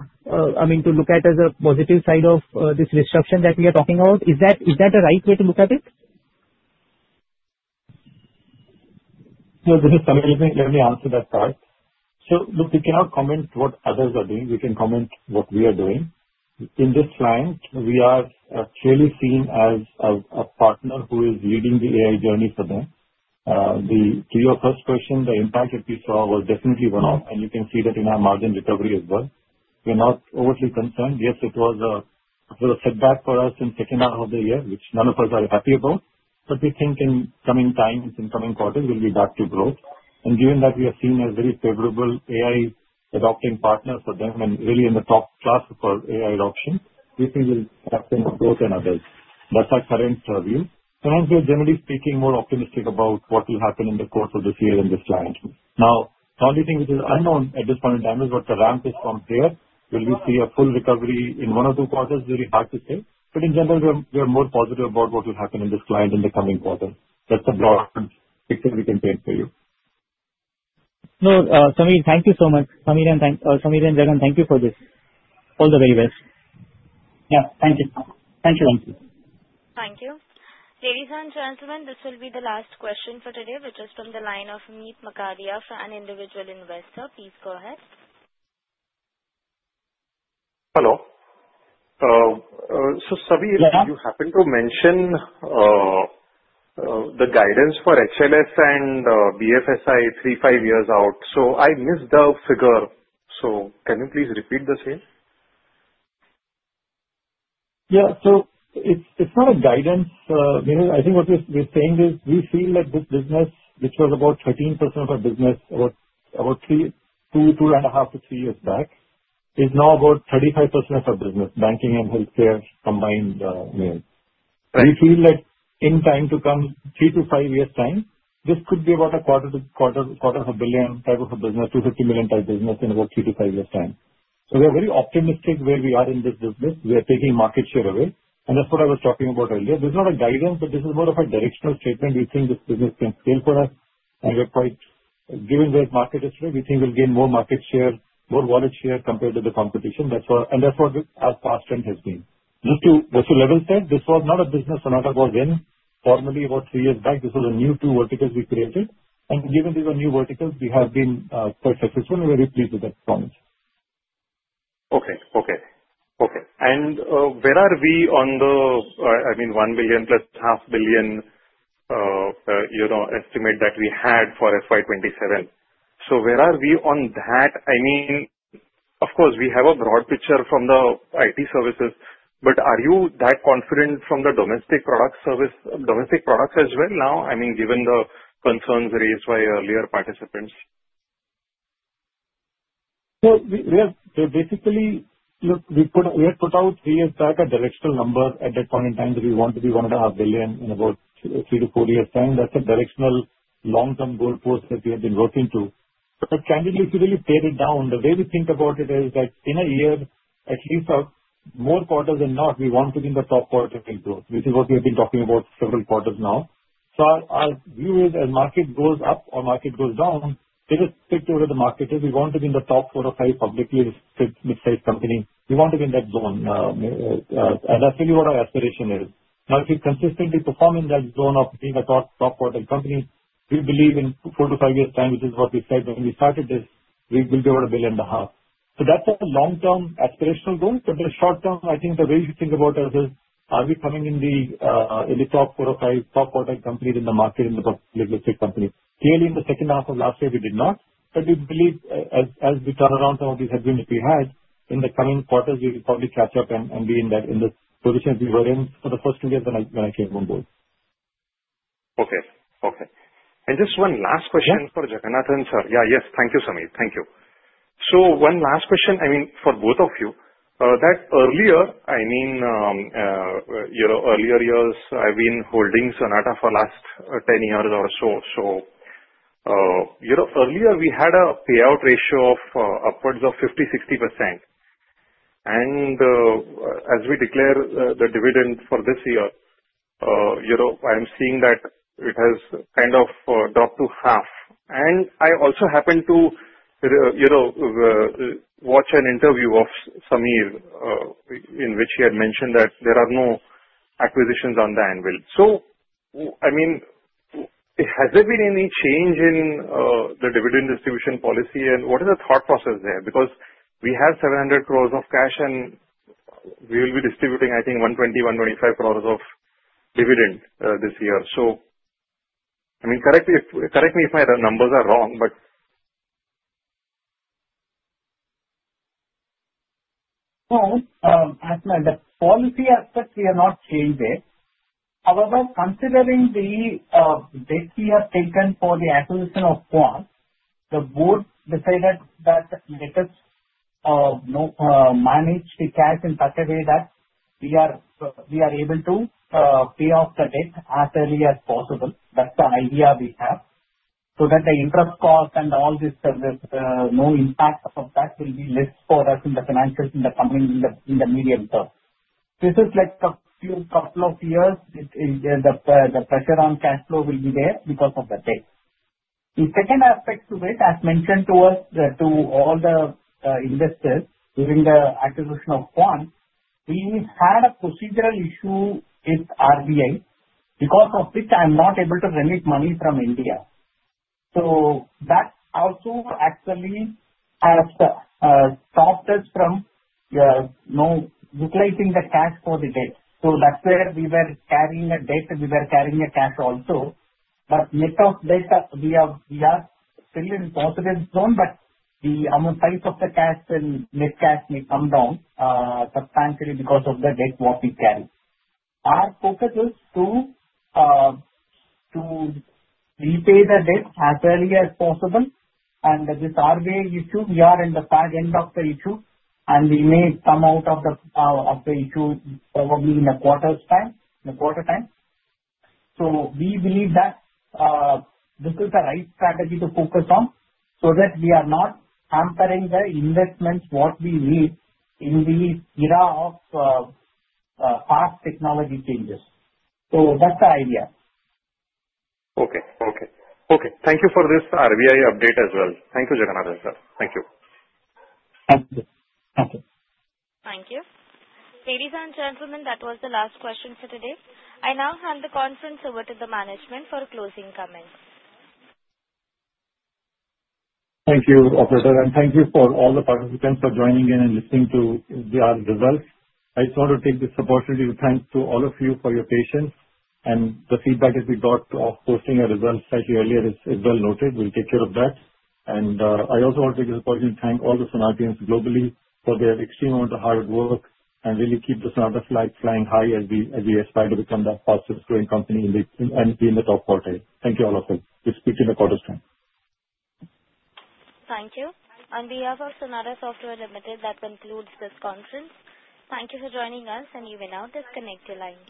I mean, to look at as a positive side of this restriction that we are talking about. Is that a right way to look at it? No, this is Samir. Let me answer that part. So look, we cannot comment what others are doing. We can comment what we are doing. In this client, we are clearly seen as a partner who is leading the AI journey for them. To your first question, the impact that we saw was definitely one-off. And you can see that in our margin recovery as well. We are not overly concerned. Yes, it was a setback for us in the second half of the year, which none of us are happy about. But we think in coming times, in coming quarters, we'll be back to growth. And given that we are seen as very favorable AI adopting partners for them and really in the top class for AI adoption, we think we will have to move forward and advance. That's our current view. And as we are generally speaking, more optimistic about what will happen in the course of this year in this client. Now, the only thing which is unknown at this point in time is what the ramp is from here. Will we see a full recovery in one or two quarters? Very hard to say. But in general, we are more positive about what will happen in this client in the coming quarter. That's the broad picture we can paint for you. No, Samir, thank you so much. Samir and Jagan, thank you for this. All the very best. Yeah. Thank you. Thank you. Thank you. Thank you. Ladies and gentlemen, this will be the last question for today, which is from the line of Amit Magadia, an individual investor. Please go ahead. Hello. So Samir, you happened to mention the guidance for HLS and BFSI three, five years out. So I missed the figure. So can you please repeat the same? Yeah. So it's not a guidance. I think what we're saying is we feel that this business, which was about 13% of our business about two, two and a half to three years back, is now about 35% of our business, banking and healthcare combined. We feel that in time to come, three to five years' time, this could be about a quarter to quarter of a billion type of a business, 250 million type business in about three to five years' time. So we are very optimistic where we are in this business. We are taking market share away, and that's what I was talking about earlier. This is not a guidance, but this is more of a directional statement. We think this business can scale for us, and given where the market is today, we think we'll gain more market share, more wallet share compared to the competition, and that's what our past trend has been. Just to what you just said, this was not a business, not for a while, then formally about three years back. This was two new verticals we created. And given these are new verticals, we have been quite successful and very pleased with that progress. Okay. And where are we on the, I mean, $1.5 billion estimate that we had for FY27? So where are we on that? I mean, of course, we have a broad picture from the IT services. But are you that confident from the domestic product service domestic products as well now? I mean, given the concerns raised by earlier participants? So basically, look, we had put out three years back a directional number at that point in time that we want to be $1.5 billion in about three to four years' time. That's a directional long-term goal for us that we have been working to. But candidly, if you really tear it down, the way we think about it is that in a year, at least more quarters than not, we want to be in the top quarter growth. This is what we have been talking about several quarters now. So our view is as market goes up or market goes down, take a picture of the market. If we want to be in the top four or five publicly listed mid-sized company, we want to be in that zone. And that's really what our aspiration is. Now, if you consistently perform in that zone of being a top quarter company, we believe in four to five years' time, which is what we said when we started this, we will be about $1.5 billion. So that's a long-term aspirational goal. But the short term, I think the way you think about us is, are we coming in the top four or five top quarter companies in the market in the public listed company? Clearly, in the second half of last year, we did not. But we believe as we turn around some of these headwinds that we had, in the coming quarters, we will probably catch up and be in the position we were in for the first two years when I came on board. Okay. Okay. And just one last question for Jagannathan and sir. Yeah. Yes. Thank you, Samir. Thank you. So one last question, I mean, for both of you. That earlier, I mean, earlier years, I've been holding Sonata for the last 10 years or so. So earlier, we had a payout ratio of upwards of 50%-60%. And as we declare the dividend for this year, I'm seeing that it has kind of dropped to half. And I also happened to watch an interview of Samir in which he had mentioned that there are no acquisitions on the anvil. So, I mean, has there been any change in the dividend distribution policy? And what is the thought process there? Because we have 700 crore of cash, and we will be distributing, I think, 120-125 crore of dividend this year. So, I mean, correct me if my numbers are wrong, but. No, the policy aspect, we have not changed it. However, considering the debt we have taken for the acquisition of Quant, the board decided that let us manage the cash in such a way that we are able to pay off the debt as early as possible. That's the idea we have. So that the interest cost and all this service, no impact of that will be left for us in the financials in the coming medium term. This is like a few couple of years. The pressure on cash flow will be there because of the debt. The second aspect to it, as mentioned to us, to all the investors during the acquisition of Quant, we had a procedural issue with RBI because of which I'm not able to remit money from India, so that also actually has stopped us from utilizing the cash for the debt, so that's where we were carrying a debt. We were carrying a cash also, but net of debt, we are still in a positive zone, but the amount size of the cash and net cash may come down substantially because of the debt what we carry. Our focus is to repay the debt as early as possible, and this RBI issue, we are in the far end of the issue, and we may come out of the issue probably in a quarter's time, in a quarter time. So we believe that this is the right strategy to focus on so that we are not hampering the investments what we need in the era of fast technology changes. So that's the idea. Okay. Okay. Okay. Thank you for this RBI update as well. Thank you, Jagannathan and sir. Thank you. Thank you. Thank you. Ladies and gentlemen, that was the last question for today. I now hand the conference over to the management for closing comments. Thank you, Operator, and thank you for all the participants for joining in and listening to our results. I just want to take this opportunity to thank all of you for your patience. And the feedback that we got of posting our results slightly earlier is well noted. We'll take care of that. And I also want to take this opportunity to thank all the Sonata teams globally for their extreme amount of hard work and really keep the Sonata flag flying high as we aspire to become that fastest growing company and be in the top quarter. Thank you, all of you. We'll speak in a quarter's time. Thank you. On behalf of Sonata Software Limited, that concludes this conference. Thank you for joining us, and you may now disconnect your line.